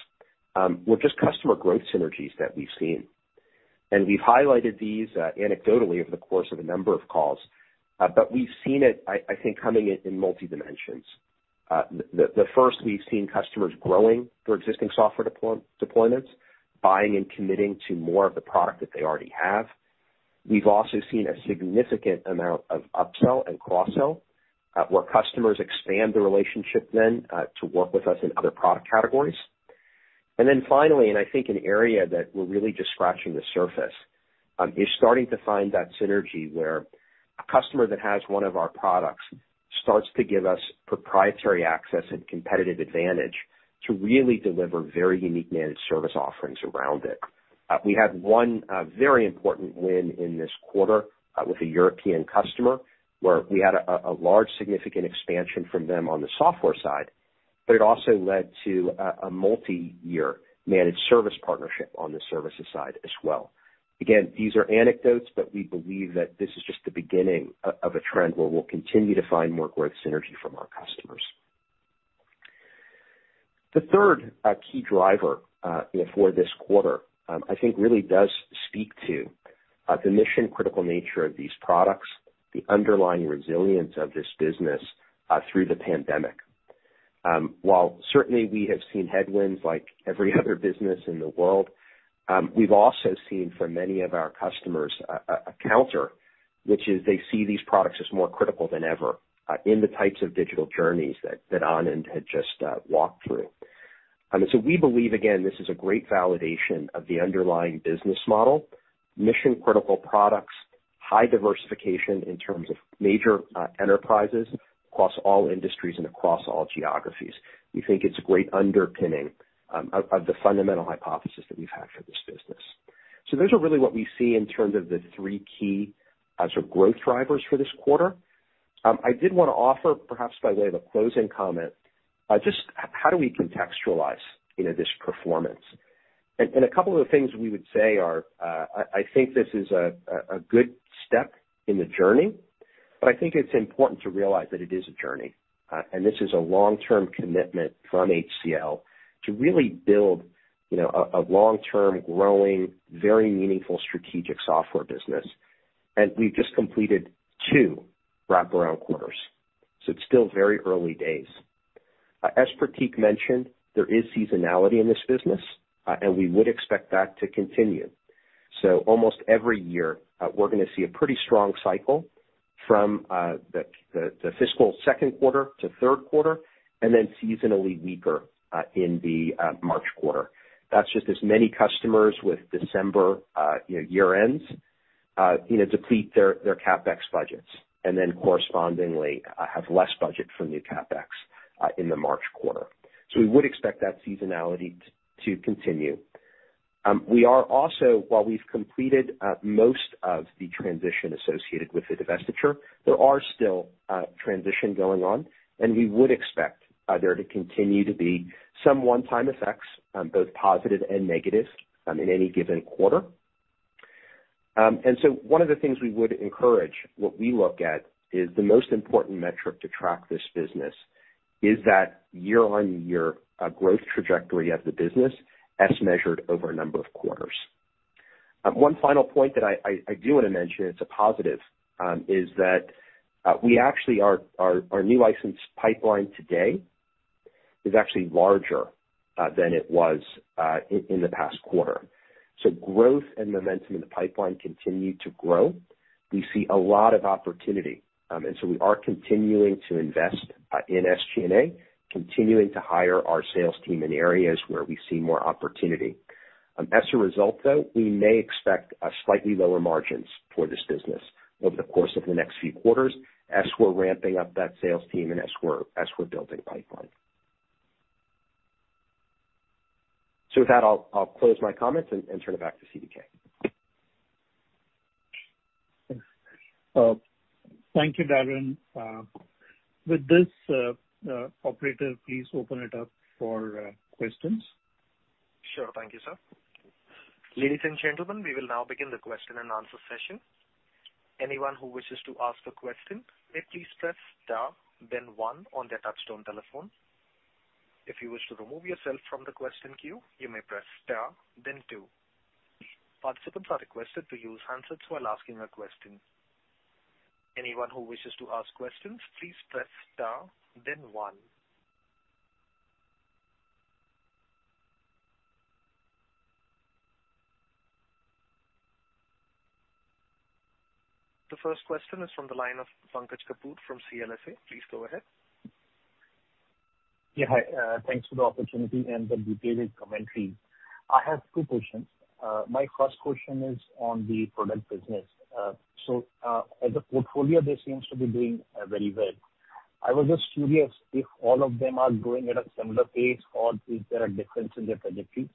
were just customer growth synergies that we've seen. We've highlighted these anecdotally over the course of a number of calls, but we've seen it, I think, coming in multi-dimensions. The first, we've seen customers growing their existing software deployments, buying and committing to more of the product that they already have. We've also seen a significant amount of upsell and cross-sell where customers expand the relationship then to work with us in other product categories. Finally, and I think an area that we're really just scratching the surface, you're starting to find that synergy where a customer that has one of our products starts to give us proprietary access and competitive advantage to really deliver very unique managed service offerings around it. We had one very important win in this quarter with a European customer where we had a large significant expansion from them on the software side, but it also led to a multi-year managed service partnership on the services side as well. Again, these are anecdotes, but we believe that this is just the beginning of a trend where we'll continue to find more growth synergy from our customers. The third key driver for this quarter, I think, really does speak to the mission-critical nature of these products, the underlying resilience of this business through the pandemic. While certainly we have seen headwinds like every other business in the world, we have also seen from many of our customers a counter, which is they see these products as more critical than ever in the types of digital journeys that Anand had just walked through. We believe, again, this is a great validation of the underlying business model, mission-critical products, high diversification in terms of major enterprises across all industries and across all geographies. We think it is a great underpinning of the fundamental hypothesis that we have had for this business. Those are really what we see in terms of the three key sort of growth drivers for this quarter. I did want to offer, perhaps by way of a closing comment, just how do we contextualize this performance? A couple of the things we would say are, I think this is a good step in the journey, but I think it's important to realize that it is a journey. This is a long-term commitment from HCL to really build a long-term growing, very meaningful strategic software business. We've just completed two wrap-around quarters. It's still very early days. As Prateek mentioned, there is seasonality in this business, and we would expect that to continue. Almost every year, we're going to see a pretty strong cycle from the fiscal second quarter to third quarter and then seasonally weaker in the March quarter. That's just as many customers with December year-ends deplete their CapEx budgets and then correspondingly have less budget for new CapEx in the March quarter. We would expect that seasonality to continue. We are also, while we've completed most of the transition associated with the divestiture, there are still transitions going on, and we would expect there to continue to be some one-time effects, both positive and negative, in any given quarter. One of the things we would encourage, what we look at, is the most important metric to track this business is that year-on-year growth trajectory of the business as measured over a number of quarters. One final point that I do want to mention that's a positive is that we actually are our new license pipeline today is actually larger than it was in the past quarter. Growth and momentum in the pipeline continue to grow. We see a lot of opportunity. We are continuing to invest in SG&A, continuing to hire our sales team in areas where we see more opportunity. As a result, though, we may expect slightly lower margins for this business over the course of the next few quarters as we're ramping up that sales team and as we're building pipeline. With that, I'll close my comments and turn it back to CVK. Thanks. Thank you, Darren. With this, operator, please open it up for questions. Sure. Thank you, sir. Ladies and gentlemen, we will now begin the question and answer session. Anyone who wishes to ask a question may please press Star, then one on their touchstone telephone. If you wish to remove yourself from the question queue, you may press Star, then two. Participants are requested to use handsets while asking a question. Anyone who wishes to ask questions, please press Star, then one. The first question is from the line of Pankaj Kapoor from CLSA. Please go ahead. Yeah. Hi. Thanks for the opportunity and the detailed commentary. I have two questions. My first question is on the product business. As a portfolio, they seem to be doing very well. I was just curious if all of them are growing at a similar pace or if there are differences in their trajectory.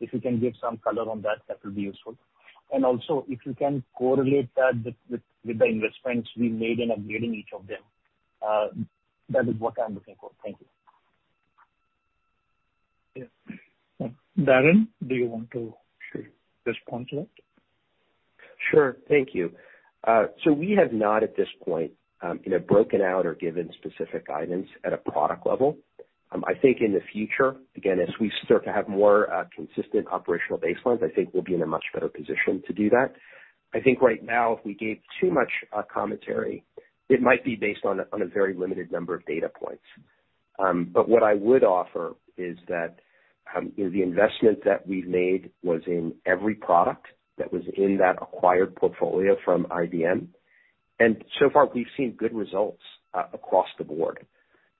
If you can give some color on that, that will be useful. Also, if you can correlate that with the investments we made in upgrading each of them, that is what I'm looking for. Thank you. Yes. Darren, do you want to respond to that? Thank you. We have not, at this point, broken out or given specific guidance at a product level. I think in the future, again, as we start to have more consistent operational baselines, I think we'll be in a much better position to do that. I think right now, if we gave too much commentary, it might be based on a very limited number of data points. What I would offer is that the investment that we've made was in every product that was in that acquired portfolio from IBM. So far, we've seen good results across the board.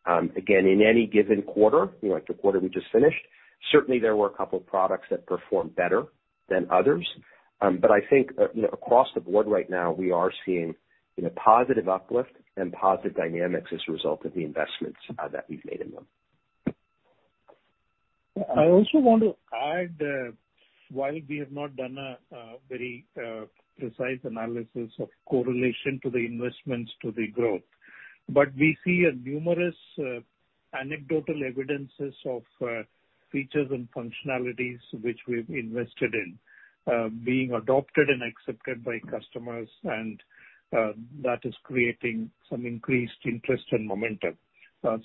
In any given quarter, like the quarter we just finished, certainly there were a couple of products that performed better than others. I think across the board right now, we are seeing positive uplift and positive dynamics as a result of the investments that we've made in them. I also want to add, while we have not done a very precise analysis of correlation to the investments to the growth, but we see numerous anecdotal evidences of features and functionalities which we've invested in being adopted and accepted by customers, and that is creating some increased interest and momentum.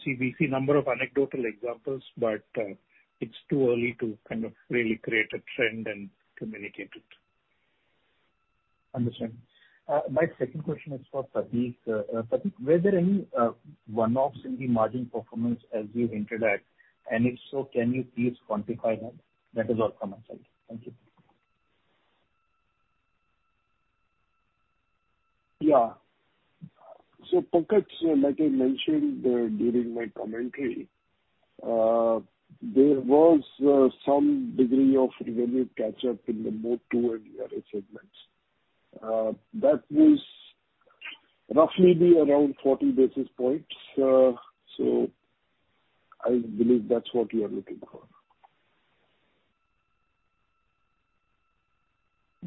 We see a number of anecdotal examples, but it's too early to kind of really create a trend and communicate it. Understand. My second question is for Prateek. Prateek, were there any one-offs in the margin performance, as you hinted at? If so, can you please quantify that? That is all from my side. Thank you. Yeah. Pankaj, like I mentioned during my commentary, there was some degree of revenue catch-up in the Mode 2 and VRA segments. That was roughly around 40 basis points. I believe that's what we are looking for.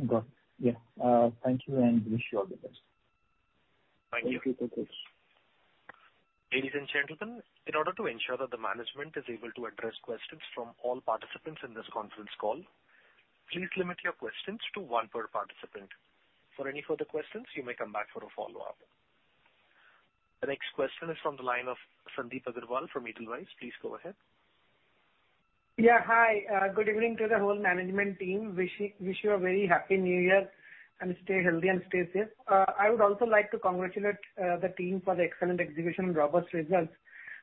Got it. Yeah. Thank you and wish you all the best. Thank you. Thank you, Pankaj. Ladies and gentlemen, in order to ensure that the management is able to address questions from all participants in this conference call, please limit your questions to one per participant. For any further questions, you may come back for a follow-up. The next question is from the line of Sandeep Agarwal from Edelweiss. Please go ahead. Yeah. Hi. Good evening to the whole management team. Wish you a very happy New Year and stay healthy and stay safe. I would also like to congratulate the team for the excellent execution and robust results.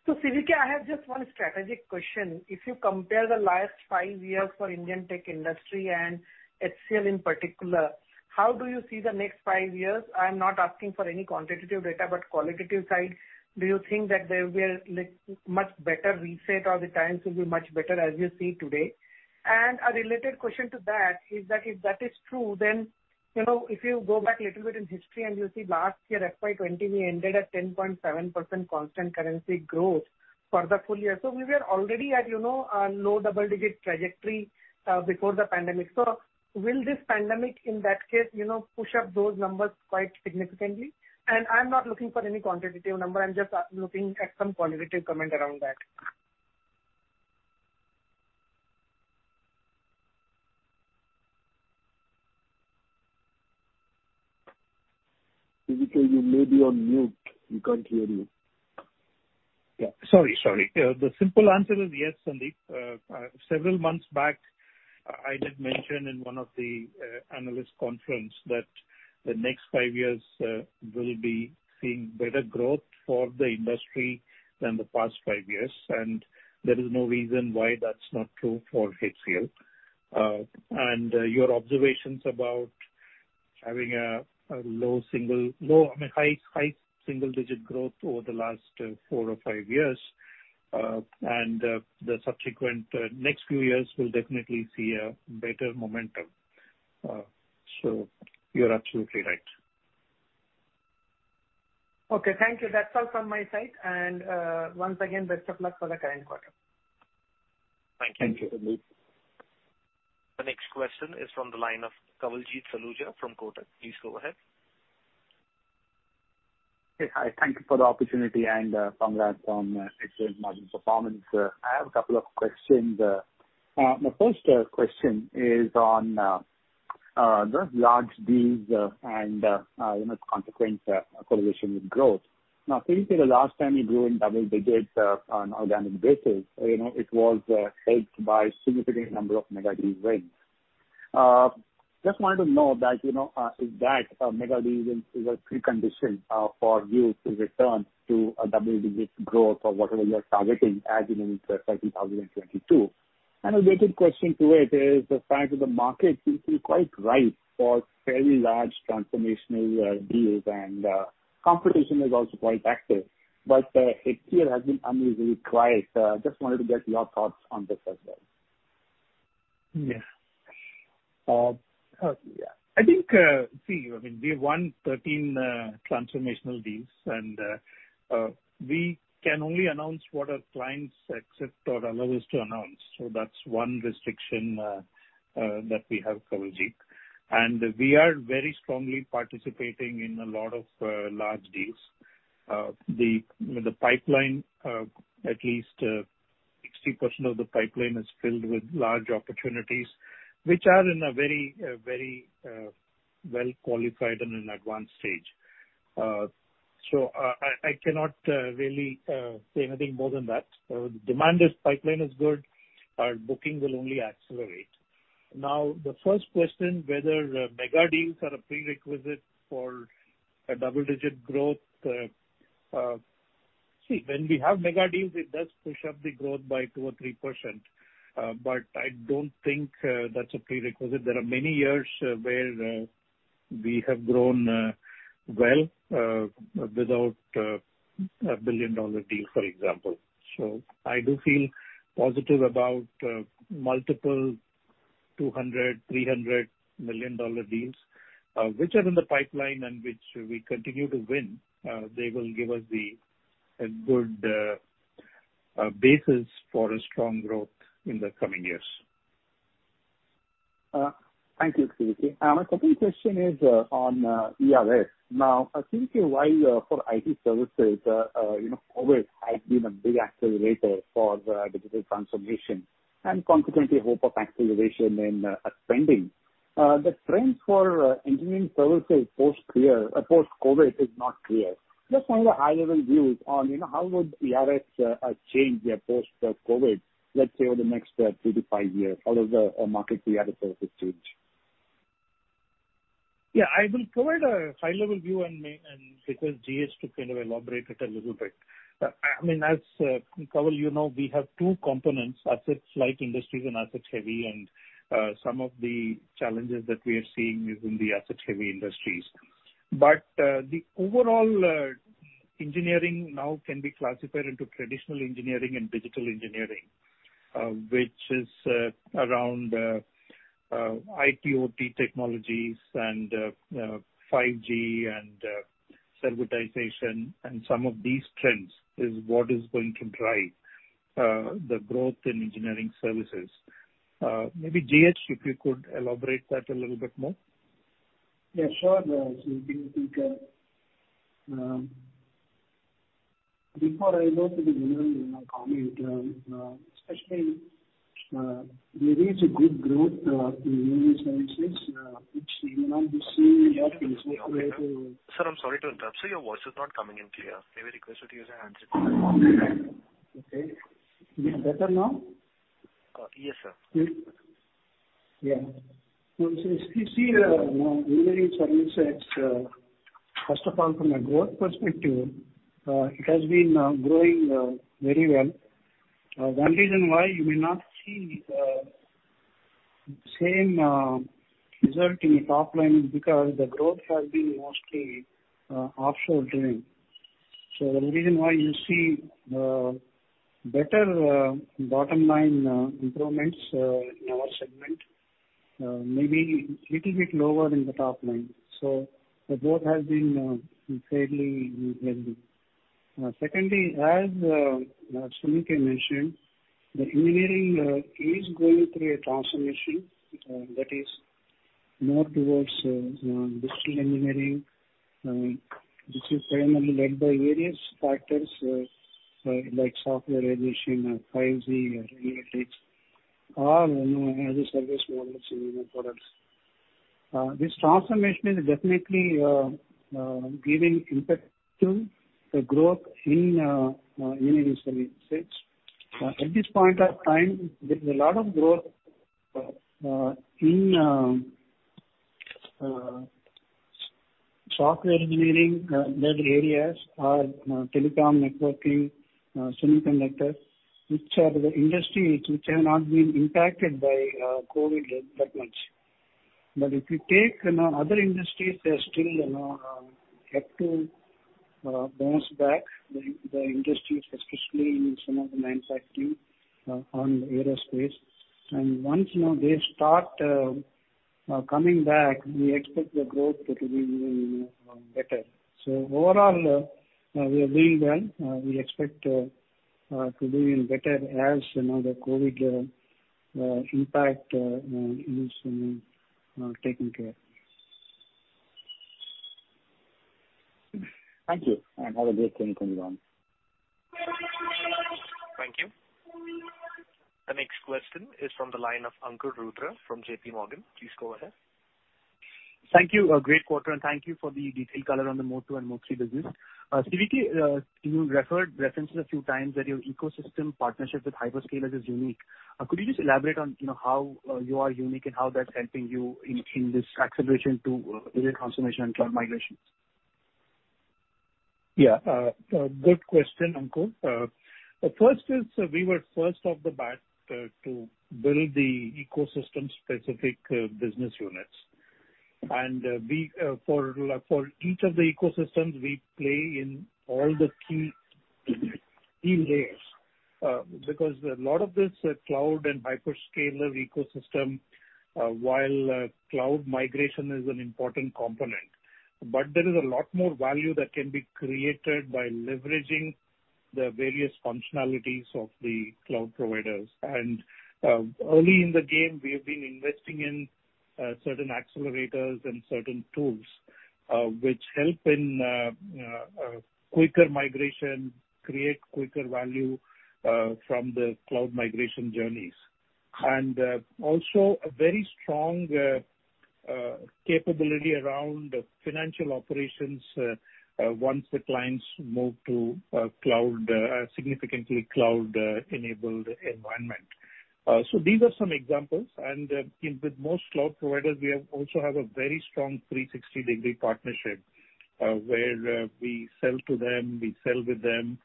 CVK, I have just one strategic question. If you compare the last five years for Indian Tech Industry and HCL in particular, how do you see the next five years? I'm not asking for any quantitative data, but qualitative side, do you think that there will be a much better reset or the times will be much better as you see today? A related question to that is that if that is true, then if you go back a little bit in history and you see last year, FY 2020, we ended at 10.7% constant currency growth for the full year. We were already at a low double-digit trajectory before the pandemic. Will this pandemic, in that case, push up those numbers quite significantly? I'm not looking for any quantitative number. I'm just looking at some qualitative comment around that. CVK you may be on mute. We can't hear you. Yeah. Sorry, sorry. The simple answer is yes, Sandeep. Several months back, I did mention in one of the analyst conferences that the next five years will be seeing better growth for the industry than the past five years. There is no reason why that's not true for HCL. Your observations about having a low single high single-digit growth over the last four or five years and the subsequent next few years will definitely see a better momentum. You're absolutely right. Okay. Thank you. That's all from my side. Once again, best of luck for the current quarter. Thank you. Thank you, Sandeep. The next question is from the line of Kawaljeet Saluja from Kotak. Please go ahead. Okay. Hi. Thank you for the opportunity and congrats on excellent margin performance. I have a couple of questions. My first question is on the large deals and consequence correlation with growth. Now, CVK., the last time you grew in double-digits on organic basis, it was helped by a significant number of mega deals, right? Just wanted to know that is that mega deals a precondition for you to return to a double-digit growth or whatever you're targeting as you move to 2022? A related question to it is the fact that the market seems to be quite ripe for fairly large transformational deals, and competition is also quite active. HCL has been unusually quiet. Just wanted to get your thoughts on this as well. Yeah. I think, see, I mean, we have won 13 transformational deals, and we can only announce what our clients accept or allow us to announce. That is one restriction that we have, Kawaljeet. We are very strongly participating in a lot of large deals. The pipeline, at least 60% of the pipeline, is filled with large opportunities, which are in a very, very well-qualified and in advanced stage. I cannot really say anything more than that. The demand is pipeline is good. Our booking will only accelerate. Now, the first question, whether mega deals are a prerequisite for a double-digit growth? See, when we have mega deals, it does push up the growth by 2% or 3%. I do not think that is a prerequisite. There are many years where we have grown well without a billion-dollar deal, for example. I do feel positive about multiple $200 million-$300 million deals, which are in the pipeline and which we continue to win. They will give us a good basis for strong growth in the coming years. Thank you, CV My second question is on ERS. Now, CVK, while for IT services, COVID has been a big accelerator for digital transformation and consequently hope of acceleration in spending, the trends for engineering services post-COVID is not clear. Just one of the high-level views on how would ERS change post-COVID, let's say, over the next three to five years? How does the market for ERS services change? Yeah. I will provide a high-level view, and because GH kind of elaborated a little bit. I mean, as Kaval, you know we have two components: asset-light industries and asset-heavy. Some of the challenges that we are seeing is in the asset-heavy industries. The overall engineering now can be classified into traditional engineering and digital engineering, which is around IToT technologies and 5G and server diarization. Some of these trends is what is going to drive the growth in engineering services. Maybe GH, if you could elaborate that a little bit more. Yeah. Sure. CVK, before I go to the general comment, especially there is a good growth in new services, which you will not be seeing in the office operating. Sir, I'm sorry to interrupt. Your voice is not coming in clear. Maybe request you to use your handset. Okay. Is it better now? Yes, sir. Yeah. You see now, engineering services, first of all, from a growth perspective, it has been growing very well. One reason why you may not see the same result in the top line is because the growth has been mostly offshore-driven. The reason why you see better bottom-line improvements in our segment may be a little bit lower in the top line. The growth has been fairly healthy. Secondly, as CVK mentioned, the engineering is going through a transformation that is more towards digital engineering, which is primarily led by various factors like software edition, 5G, and analytics, or other service models in products. This transformation is definitely giving impact to the growth in engineering services. At this point of time, there is a lot of growth in software engineering-led areas or telecom networking, semiconductors, which are the industries which have not been impacted by COVID that much. If you take other industries, they still have to bounce back, the industries, especially in some of the manufacturing on the aerospace. Once they start coming back, we expect the growth to be even better. Overall, we are doing well. We expect to be even better as the COVID impact is taken care of. Thank you. Have a great evening, everyone. Thank you. The next question is from the line of Ankur Rudra from J.P. Morgan. Please go ahead. Thank you. A great quarter. Thank you for the detailed color on the MOA2 and MOA3 business. CVK, you referenced a few times that your ecosystem partnership with Hyperscalers is unique. Could you just elaborate on how you are unique and how that is helping you in this acceleration to data transformation and cloud migration? Yeah. Good question, Ankur. The first is we were first off the bat to build the ecosystem-specific business units. For each of the ecosystems, we play in all the key layers because a lot of this cloud and hyperscaler ecosystem, while cloud migration is an important component, there is a lot more value that can be created by leveraging the various functionalities of the cloud providers. Early in the game, we have been investing in certain accelerators and certain tools which help in quicker migration, create quicker value from the cloud migration journeys, and also a very strong capability around financial operations once the clients move to a significantly cloud-enabled environment. These are some examples. With most cloud providers, we also have a very strong 360-degree partnership where we sell to them, we sell with them.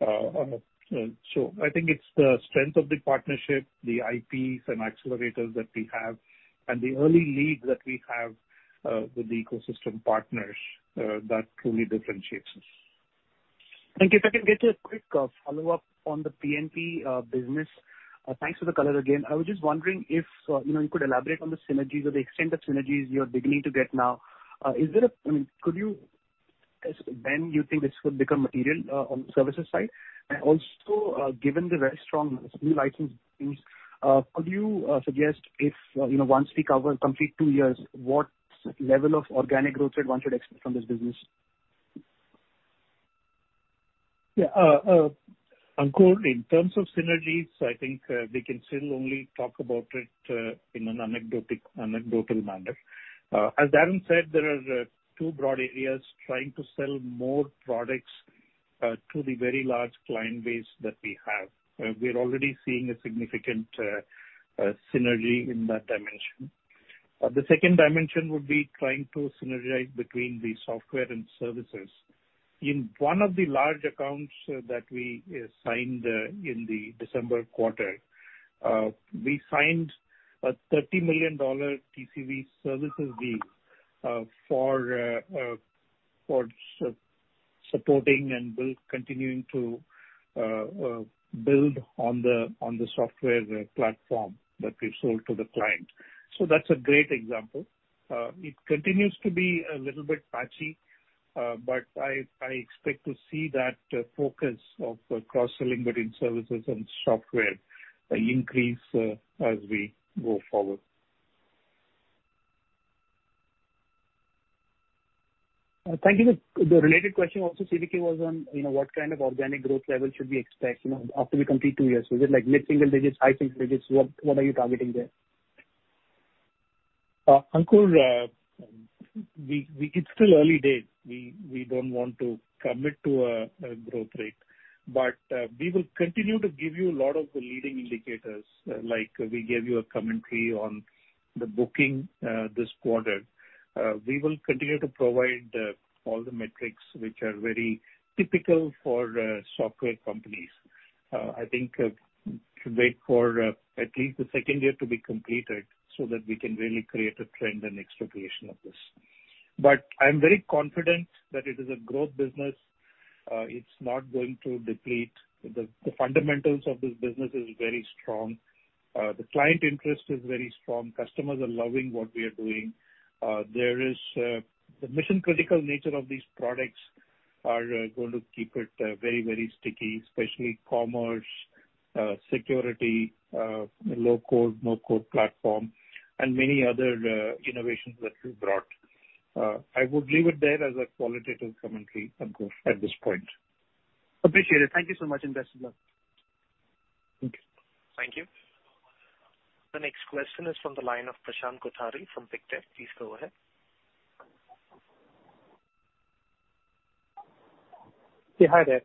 I think it's the strength of the partnership, the IPs and accelerators that we have, and the early leads that we have with the ecosystem partners that truly differentiates us. Thank you. If I can get you a quick follow-up on the P&P business, thanks for the color again. I was just wondering if you could elaborate on the synergies or the extent of synergies you're beginning to get now. Is there a—I mean, could you—when you think this could become material on the services side? Also, given the very strong new license deals, could you suggest if once we cover complete two years, what level of organic growth advantage you'd expect from this business? Yeah. Ankur, in terms of synergies, I think we can still only talk about it in an anecdotal manner. As Darren said, there are two broad areas trying to sell more products to the very large client base that we have. We're already seeing a significant synergy in that dimension. The second dimension would be trying to synergize between the software and services. In one of the large accounts that we signed in the December quarter, we signed a $30 million TCV services deal for supporting and continuing to build on the software platform that we've sold to the client. That's a great example. It continues to be a little bit patchy, but I expect to see that focus of cross-selling between services and software increase as we go forward. Thank you. The related question also, CVK, was on what kind of organic growth level should we expect after we complete two years? Is it like mid-single digits, high single digits? What are you targeting there? Ankur, it's still early days. We don't want to commit to a growth rate. We will continue to give you a lot of the leading indicators, like we gave you a commentary on the booking this quarter. We will continue to provide all the metrics which are very typical for software companies. I think we should wait for at least the second year to be completed so that we can really create a trend and expectation of this. I am very confident that it is a growth business. It's not going to deplete. The fundamentals of this business are very strong. The client interest is very strong. Customers are loving what we are doing. The mission-critical nature of these products is going to keep it very, very sticky, especially commerce, security, low-code, no-code platform, and many other innovations that we brought. I would leave it there as a qualitative commentary, Ankur, at this point. Appreciate it. Thank you so much and best of luck. Thank you. Thank you. The next question is from the line of Prashant Guttari from Picte. Please go ahead. Yeah. Hi there.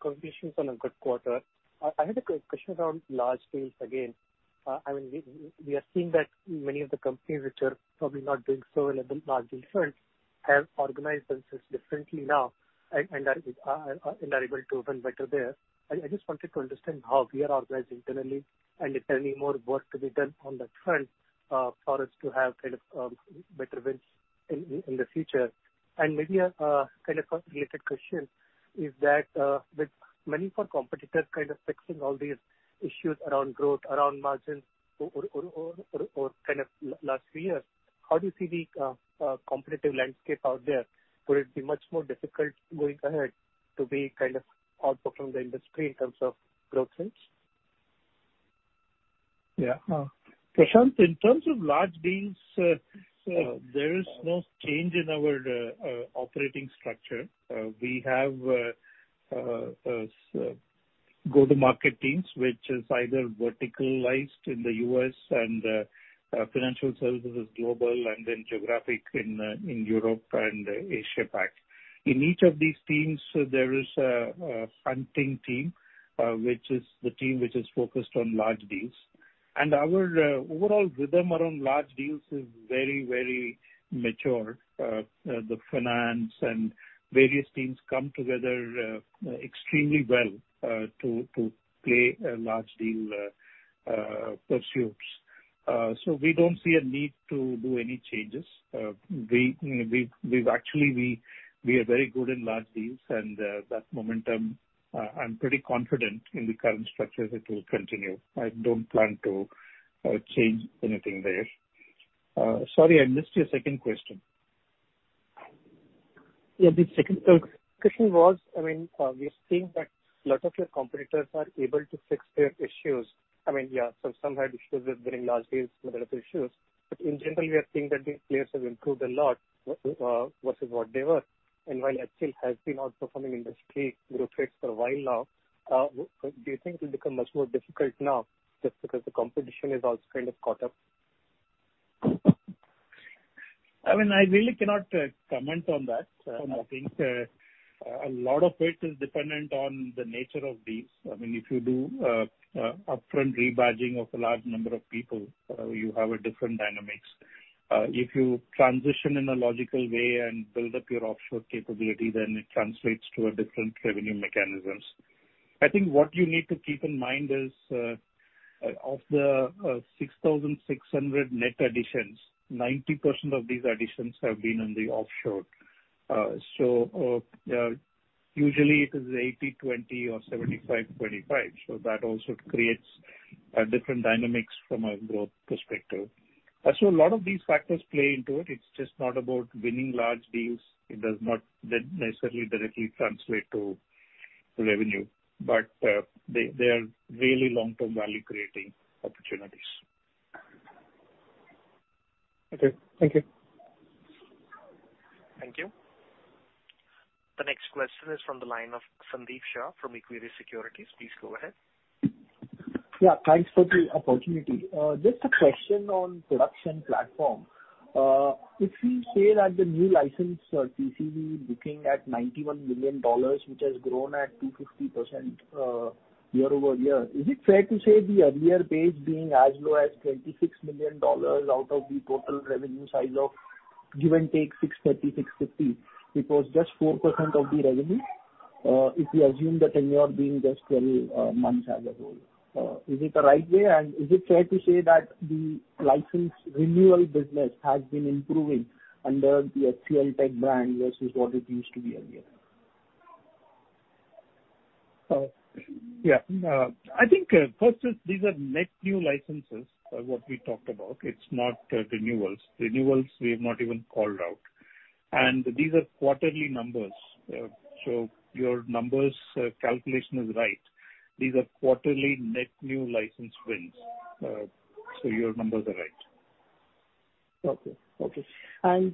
Congratulations on a good quarter. I have a question around large scales again. I mean, we are seeing that many of the companies which are probably not doing so well at the large scale front have organized themselves differently now and are able to open better there. I just wanted to understand how we are organized internally and if there's any more work to be done on that front for us to have kind of better wins in the future. Maybe a kind of related question is that with many competitors kind of fixing all these issues around growth, around margins, or kind of last few years, how do you see the competitive landscape out there? Would it be much more difficult going ahead to be kind of outperform the industry in terms of growth rates? Yeah. Prashant, in terms of large deals, there is no change in our operating structure. We have go-to-market teams, which is either verticalized in the U.S. and financial services is global and then geographic in Europe and Asia-Pac. In each of these teams, there is a hunting team, which is the team which is focused on large deals. Our overall rhythm around large deals is very, very mature. The finance and various teams come together extremely well to play large deal pursuits. We do not see a need to do any changes. Actually, we are very good in large deals, and that momentum, I am pretty confident in the current structures, it will continue. I do not plan to change anything there. Sorry, I missed your second question. Yeah. The second question was, I mean, we are seeing that a lot of your competitors are able to fix their issues. I mean, yeah, some had issues with getting large deals, but that's the issue. In general, we are seeing that these players have improved a lot versus what they were. While HCL has been outperforming industry growth rates for a while now, do you think it will become much more difficult now just because the competition has also kind of caught up? I mean, I really cannot comment on that. I think a lot of it is dependent on the nature of deals. I mean, if you do upfront rebadging of a large number of people, you have different dynamics. If you transition in a logical way and build up your offshore capability, then it translates to different revenue mechanisms. I think what you need to keep in mind is of the 6,600 net additions, 90% of these additions have been in the offshore. Usually, it is 80/20 or 75/25. That also creates different dynamics from a growth perspective. A lot of these factors play into it. It is just not about winning large deals. It does not necessarily directly translate to revenue, but they are really long-term value-creating opportunities. Okay. Thank you. Thank you. The next question is from the line of Sandeep Shah from Equirus Securities. Please go ahead. Yeah. Thanks for the opportunity. Just a question on production platform. If we say that the new license TCV is looking at $91 million, which has grown at 250% year-over-year, is it fair to say the earlier base being as low as $26 million out of the total revenue size of give and take 630-650, which was just 4% of the revenue if we assume that a year being just 12 months as a whole? Is it the right way? Is it fair to say that the license renewal business has been improving under the HCLTech brand versus what it used to be earlier? Yeah. I think first, these are net new licenses of what we talked about. It's not renewals. Renewals, we have not even called out. These are quarterly numbers. Your numbers calculation is right. These are quarterly net new license wins. Your numbers are right. Okay. Okay.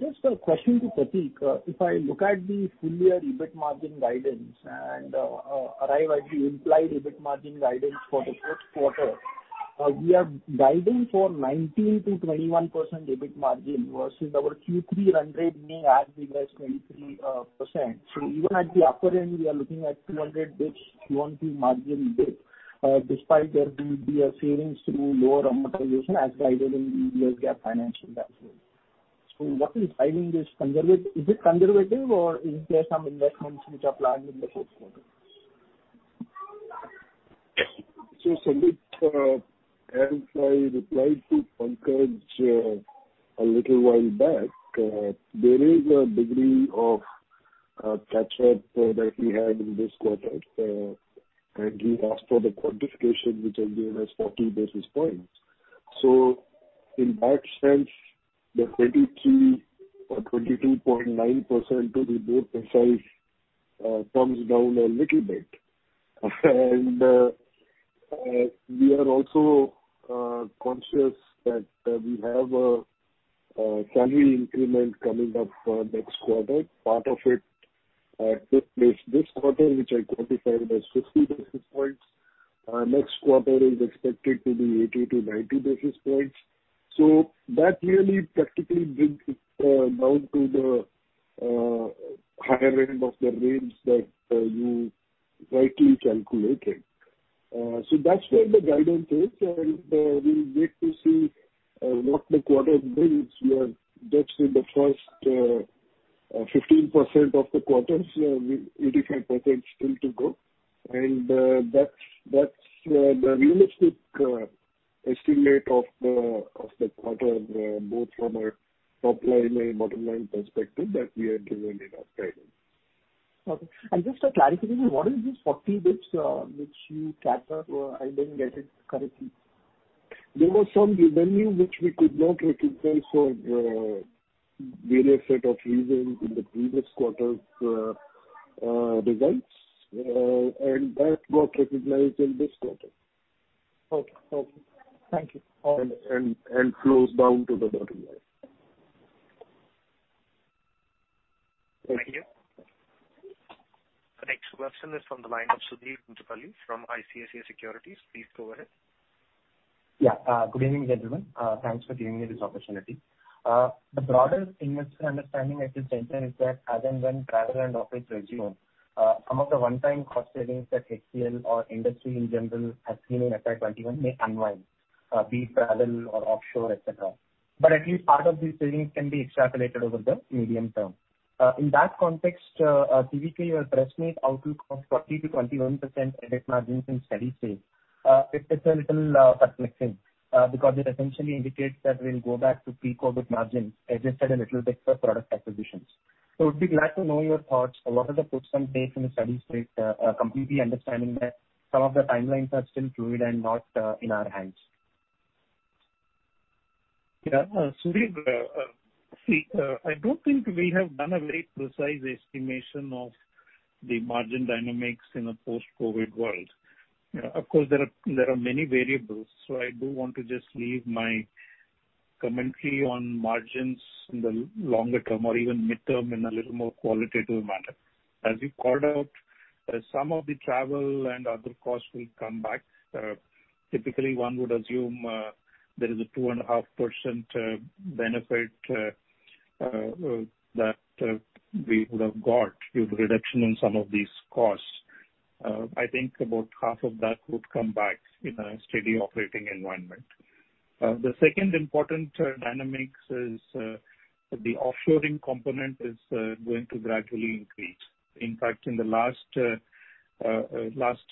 Just a question to Prateek. If I look at the full-year EBIT margin guidance and Arriva's implied EBIT margin guidance for the fourth quarter, we are guiding for 19%-21% EBIT margin versus our Q3 run rate being as big as 23%. Even at the upper end, we are looking at 200 basis points onto margin despite there being savings to lower amortization as guided in the EBITDA GAAP financial data. What is driving this? Is it conservative, or is there some investments which are planned in the fourth quarter? Sandeep, as I replied to Ankur a little while back, there is a degree of catch-up that we have in this quarter. He asked for the quantification, which I gave as 40 basis points. In that sense, the 22.9%, to be more precise, comes down a little bit. We are also conscious that we have a salary increment coming up next quarter. Part of it took place this quarter, which I quantified as 50 basis points. Next quarter is expected to be 80-90 basis points. That really practically brings it down to the higher end of the range that you rightly calculated. That is where the guidance is. We will wait to see what the quarter brings. We are just in the first 15% of the quarters, 85% still to go. That's the realistic estimate of the quarter, both from a top-line and bottom-line perspective that we are given in our guidance. Okay. Just to clarify, what is this 40 bids which you captured? I didn't get it correctly. There was some revenue which we could not recognize for various set of reasons in the previous quarter's results. That got recognized in this quarter. Okay. Okay. Thank you. Flows down to the bottom line. Thank you. The next question is from the line of Sudeep Jubali from ICSI Securities. Please go ahead. Yeah. Good evening, gentlemen. Thanks for giving me this opportunity. The broader investor understanding at this center is that as and when travel and office resume, some of the one-time cost savings that HCL or industry in general has seen in FY 2021 may unwind, be it travel or offshore, etc. At least part of these savings can be extrapolated over the medium term. In that context, CVK will press me outlook of 20%-21% EBIT margins in steady state. It's a little perplexing because it essentially indicates that we'll go back to pre-COVID margins adjusted a little bit for product acquisitions. I would be glad to know your thoughts on what are the puts and takes in the steady state, completely understanding that some of the timelines are still fluid and not in our hands. Yeah. Sudeep, see, I don't think we have done a very precise estimation of the margin dynamics in a post-COVID world. Of course, there are many variables. I do want to just leave my commentary on margins in the longer term or even midterm in a little more qualitative manner. As you called out, some of the travel and other costs will come back. Typically, one would assume there is a 2.5% benefit that we would have got due to reduction in some of these costs. I think about half of that would come back in a steady operating environment. The second important dynamic is the offshoring component is going to gradually increase. In fact, in the last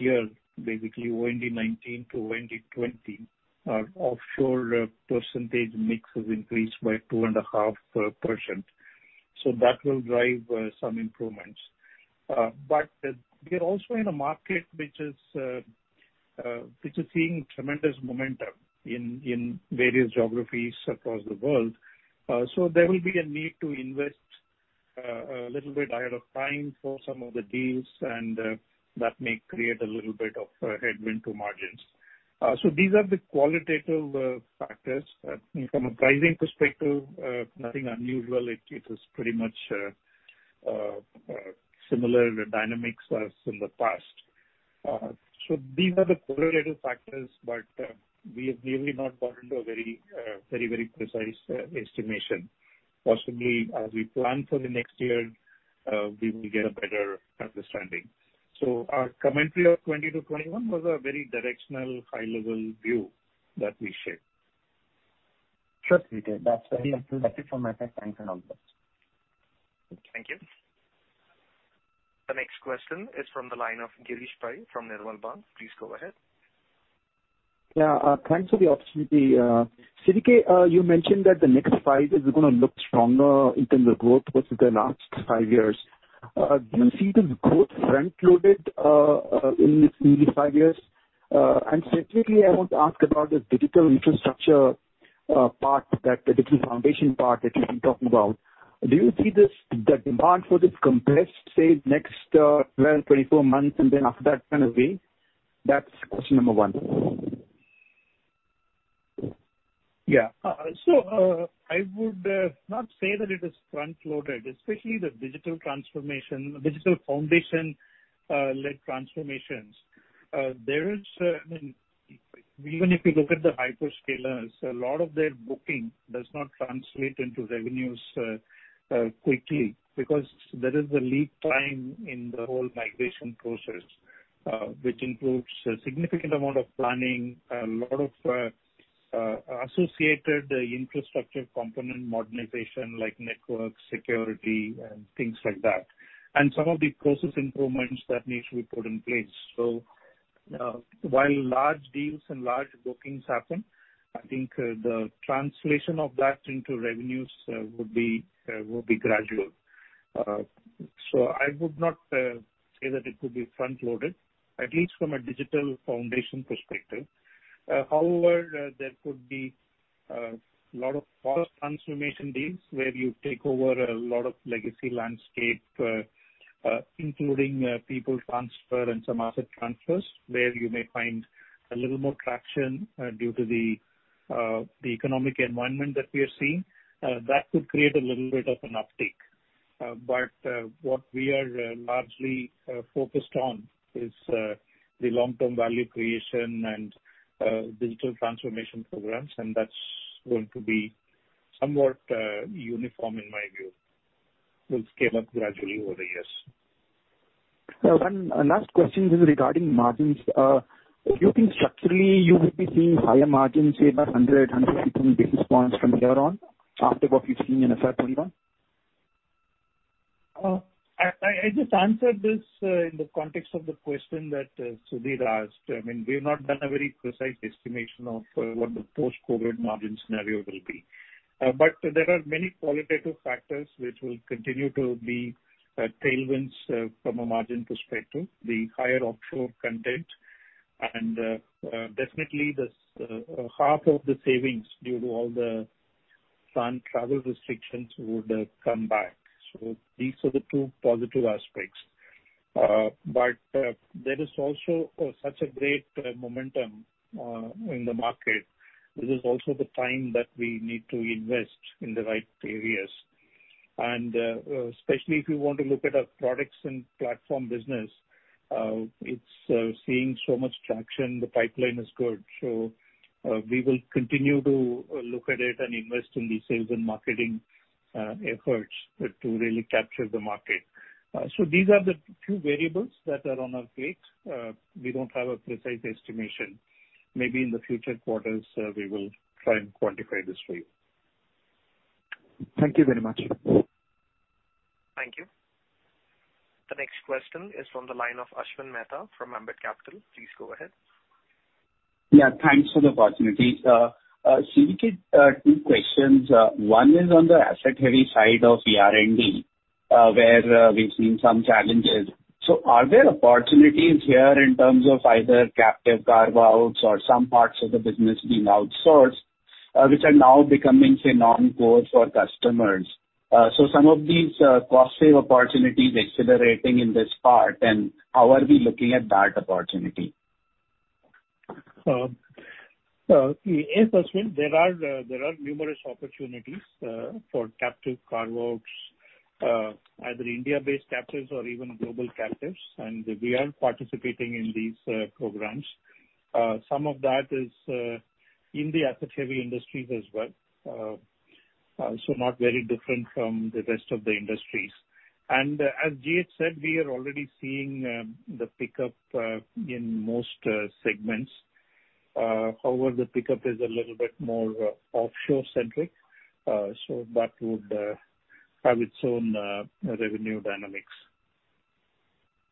year, basically O&D 2019-O&D 2020, our offshore percentage mix has increased by 2.5%. That will drive some improvements. We are also in a market which is seeing tremendous momentum in various geographies across the world. There will be a need to invest a little bit ahead of time for some of the deals, and that may create a little bit of headwind to margins. These are the qualitative factors. From a pricing perspective, nothing unusual. It is pretty much similar dynamics as in the past. These are the qualitative factors, but we have really not gotten to a very, very, very precise estimation. Possibly, as we plan for the next year, we will get a better understanding. Our commentary of 20%-21% was a very directional, high-level view that we shared. Sure. We did. That's very informative. Thank you so much. Thanks for all of this. Thank you. The next question is from the line of Girish Pai from Nirmal Bang. Please go ahead. Yeah. Thanks for the opportunity. CVK, you mentioned that the next five is going to look stronger in terms of growth versus the last five years. Do you see the growth front-loaded in these five years? Specifically, I want to ask about the digital infrastructure part, the digital foundation part that you've been talking about. Do you see the demand for this compressed, say, next 12-24 months, and then after that kind of way? That's question number one. Yeah. I would not say that it is front-loaded, especially the digital foundation-led transformations. I mean, even if you look at the hyperscalers, a lot of their booking does not translate into revenues quickly because there is a lead time in the whole migration process, which includes a significant amount of planning, a lot of associated infrastructure component modernization like network security and things like that, and some of the process improvements that need to be put in place. While large deals and large bookings happen, I think the translation of that into revenues would be gradual. I would not say that it would be front-loaded, at least from a digital foundation perspective. However, there could be a lot of cost transformation deals where you take over a lot of legacy landscape, including people transfer and some asset transfers, where you may find a little more traction due to the economic environment that we are seeing. That could create a little bit of an uptick. What we are largely focused on is the long-term value creation and digital transformation programs, and that's going to be somewhat uniform, in my view, will scale up gradually over the years. One last question is regarding margins. Do you think structurally you will be seeing higher margins, say, by 100-150 basis points from here on after what you've seen in FY 2021? I just answered this in the context of the question that Sudeep asked. I mean, we have not done a very precise estimation of what the post-COVID margin scenario will be. There are many qualitative factors which will continue to be tailwinds from a margin perspective: the higher offshore content. Definitely, half of the savings due to all the planned travel restrictions would come back. These are the two positive aspects. There is also such a great momentum in the market. This is also the time that we need to invest in the right areas. Especially if you want to look at our products and platform business, it is seeing so much traction. The pipeline is good. We will continue to look at it and invest in the sales and marketing efforts to really capture the market. These are the few variables that are on our plate. We don't have a precise estimation. Maybe in the future quarters, we will try and quantify this for you. Thank you very much. Thank you. The next question is from the line of Ashwin Mehta from Ambit Capital. Please go ahead. Yeah. Thanks for the opportunity. CVK, two questions. One is on the asset-heavy side of ER&D, where we've seen some challenges. Are there opportunities here in terms of either captive carve-outs or some parts of the business being outsourced, which are now becoming, say, non-core for customers? Some of these cost-save opportunities are accelerating in this part. How are we looking at that opportunity? Yes, Ashwin. There are numerous opportunities for captive carve-outs, either India-based captives or even global captives. We are participating in these programs. Some of that is in the asset-heavy industries as well, not very different from the rest of the industries. As Jayet said, we are already seeing the pickup in most segments. However, the pickup is a little bit more offshore-centric. That would have its own revenue dynamics.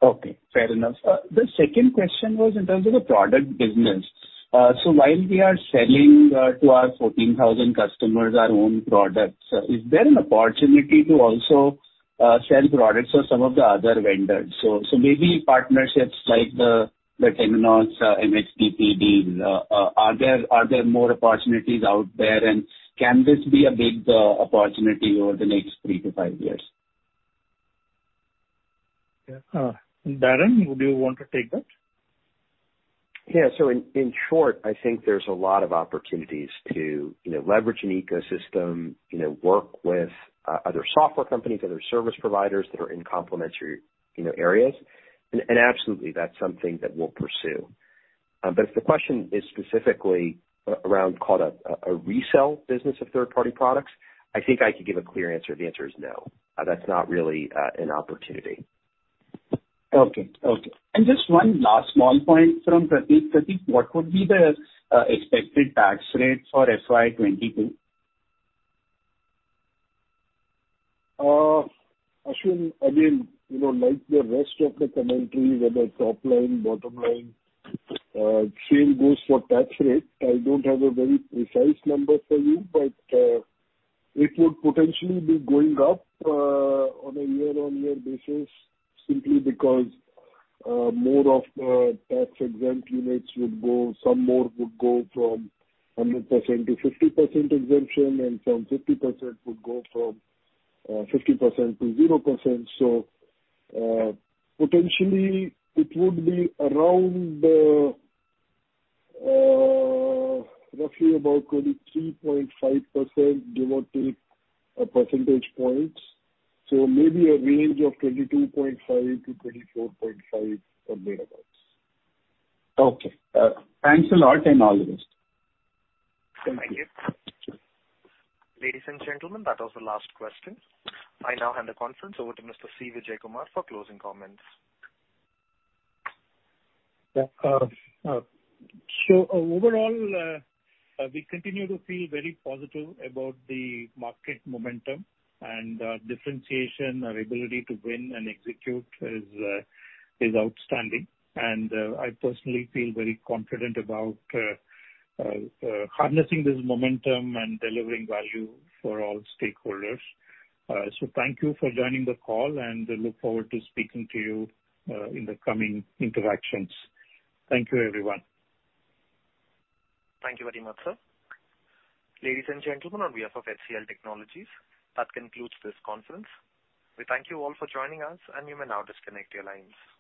Okay. Fair enough. The second question was in terms of the product business. While we are selling to our 14,000 customers our own products, is there an opportunity to also sell products of some of the other vendors? Maybe partnerships like the T Vinox, MHDPD, are there more opportunities out there? Can this be a big opportunity over the next three to five years? Darren, would you want to take that? Yeah. In short, I think there's a lot of opportunities to leverage an ecosystem, work with other software companies, other service providers that are in complementary areas. Absolutely, that's something that we'll pursue. If the question is specifically around, call it a resale business of third-party products, I think I could give a clear answer. The answer is no. That's not really an opportunity. Okay. Okay. Just one last small point from Prateek. Prateek, what would be the expected tax rate for FY 2022? Ashwin, again, like the rest of the commentary, whether top line, bottom line, same goes for tax rate. I do not have a very precise number for you, but it would potentially be going up on a year-on-year basis simply because more of the tax-exempt units would go, some more would go from 100% to 50% exemption, and some 50% would go from 50% to 0%. Potentially, it would be around roughly about 23.5% give or take percentage points. Maybe a range of 22.5%-24.5%. Okay. Thanks a lot, and all the best. Thank you. Ladies and gentlemen, that was the last question. I now hand the conference over to Mr. C. Vijayakumar for closing comments. Overall, we continue to feel very positive about the market momentum, and differentiation, our ability to win and execute is outstanding. I personally feel very confident about harnessing this momentum and delivering value for all stakeholders. Thank you for joining the call, and I look forward to speaking to you in the coming interactions. Thank you, everyone. Thank you very much, sir. Ladies and gentlemen, on behalf of HCL Technologies, that concludes this conference. We thank you all for joining us, and you may now disconnect your lines.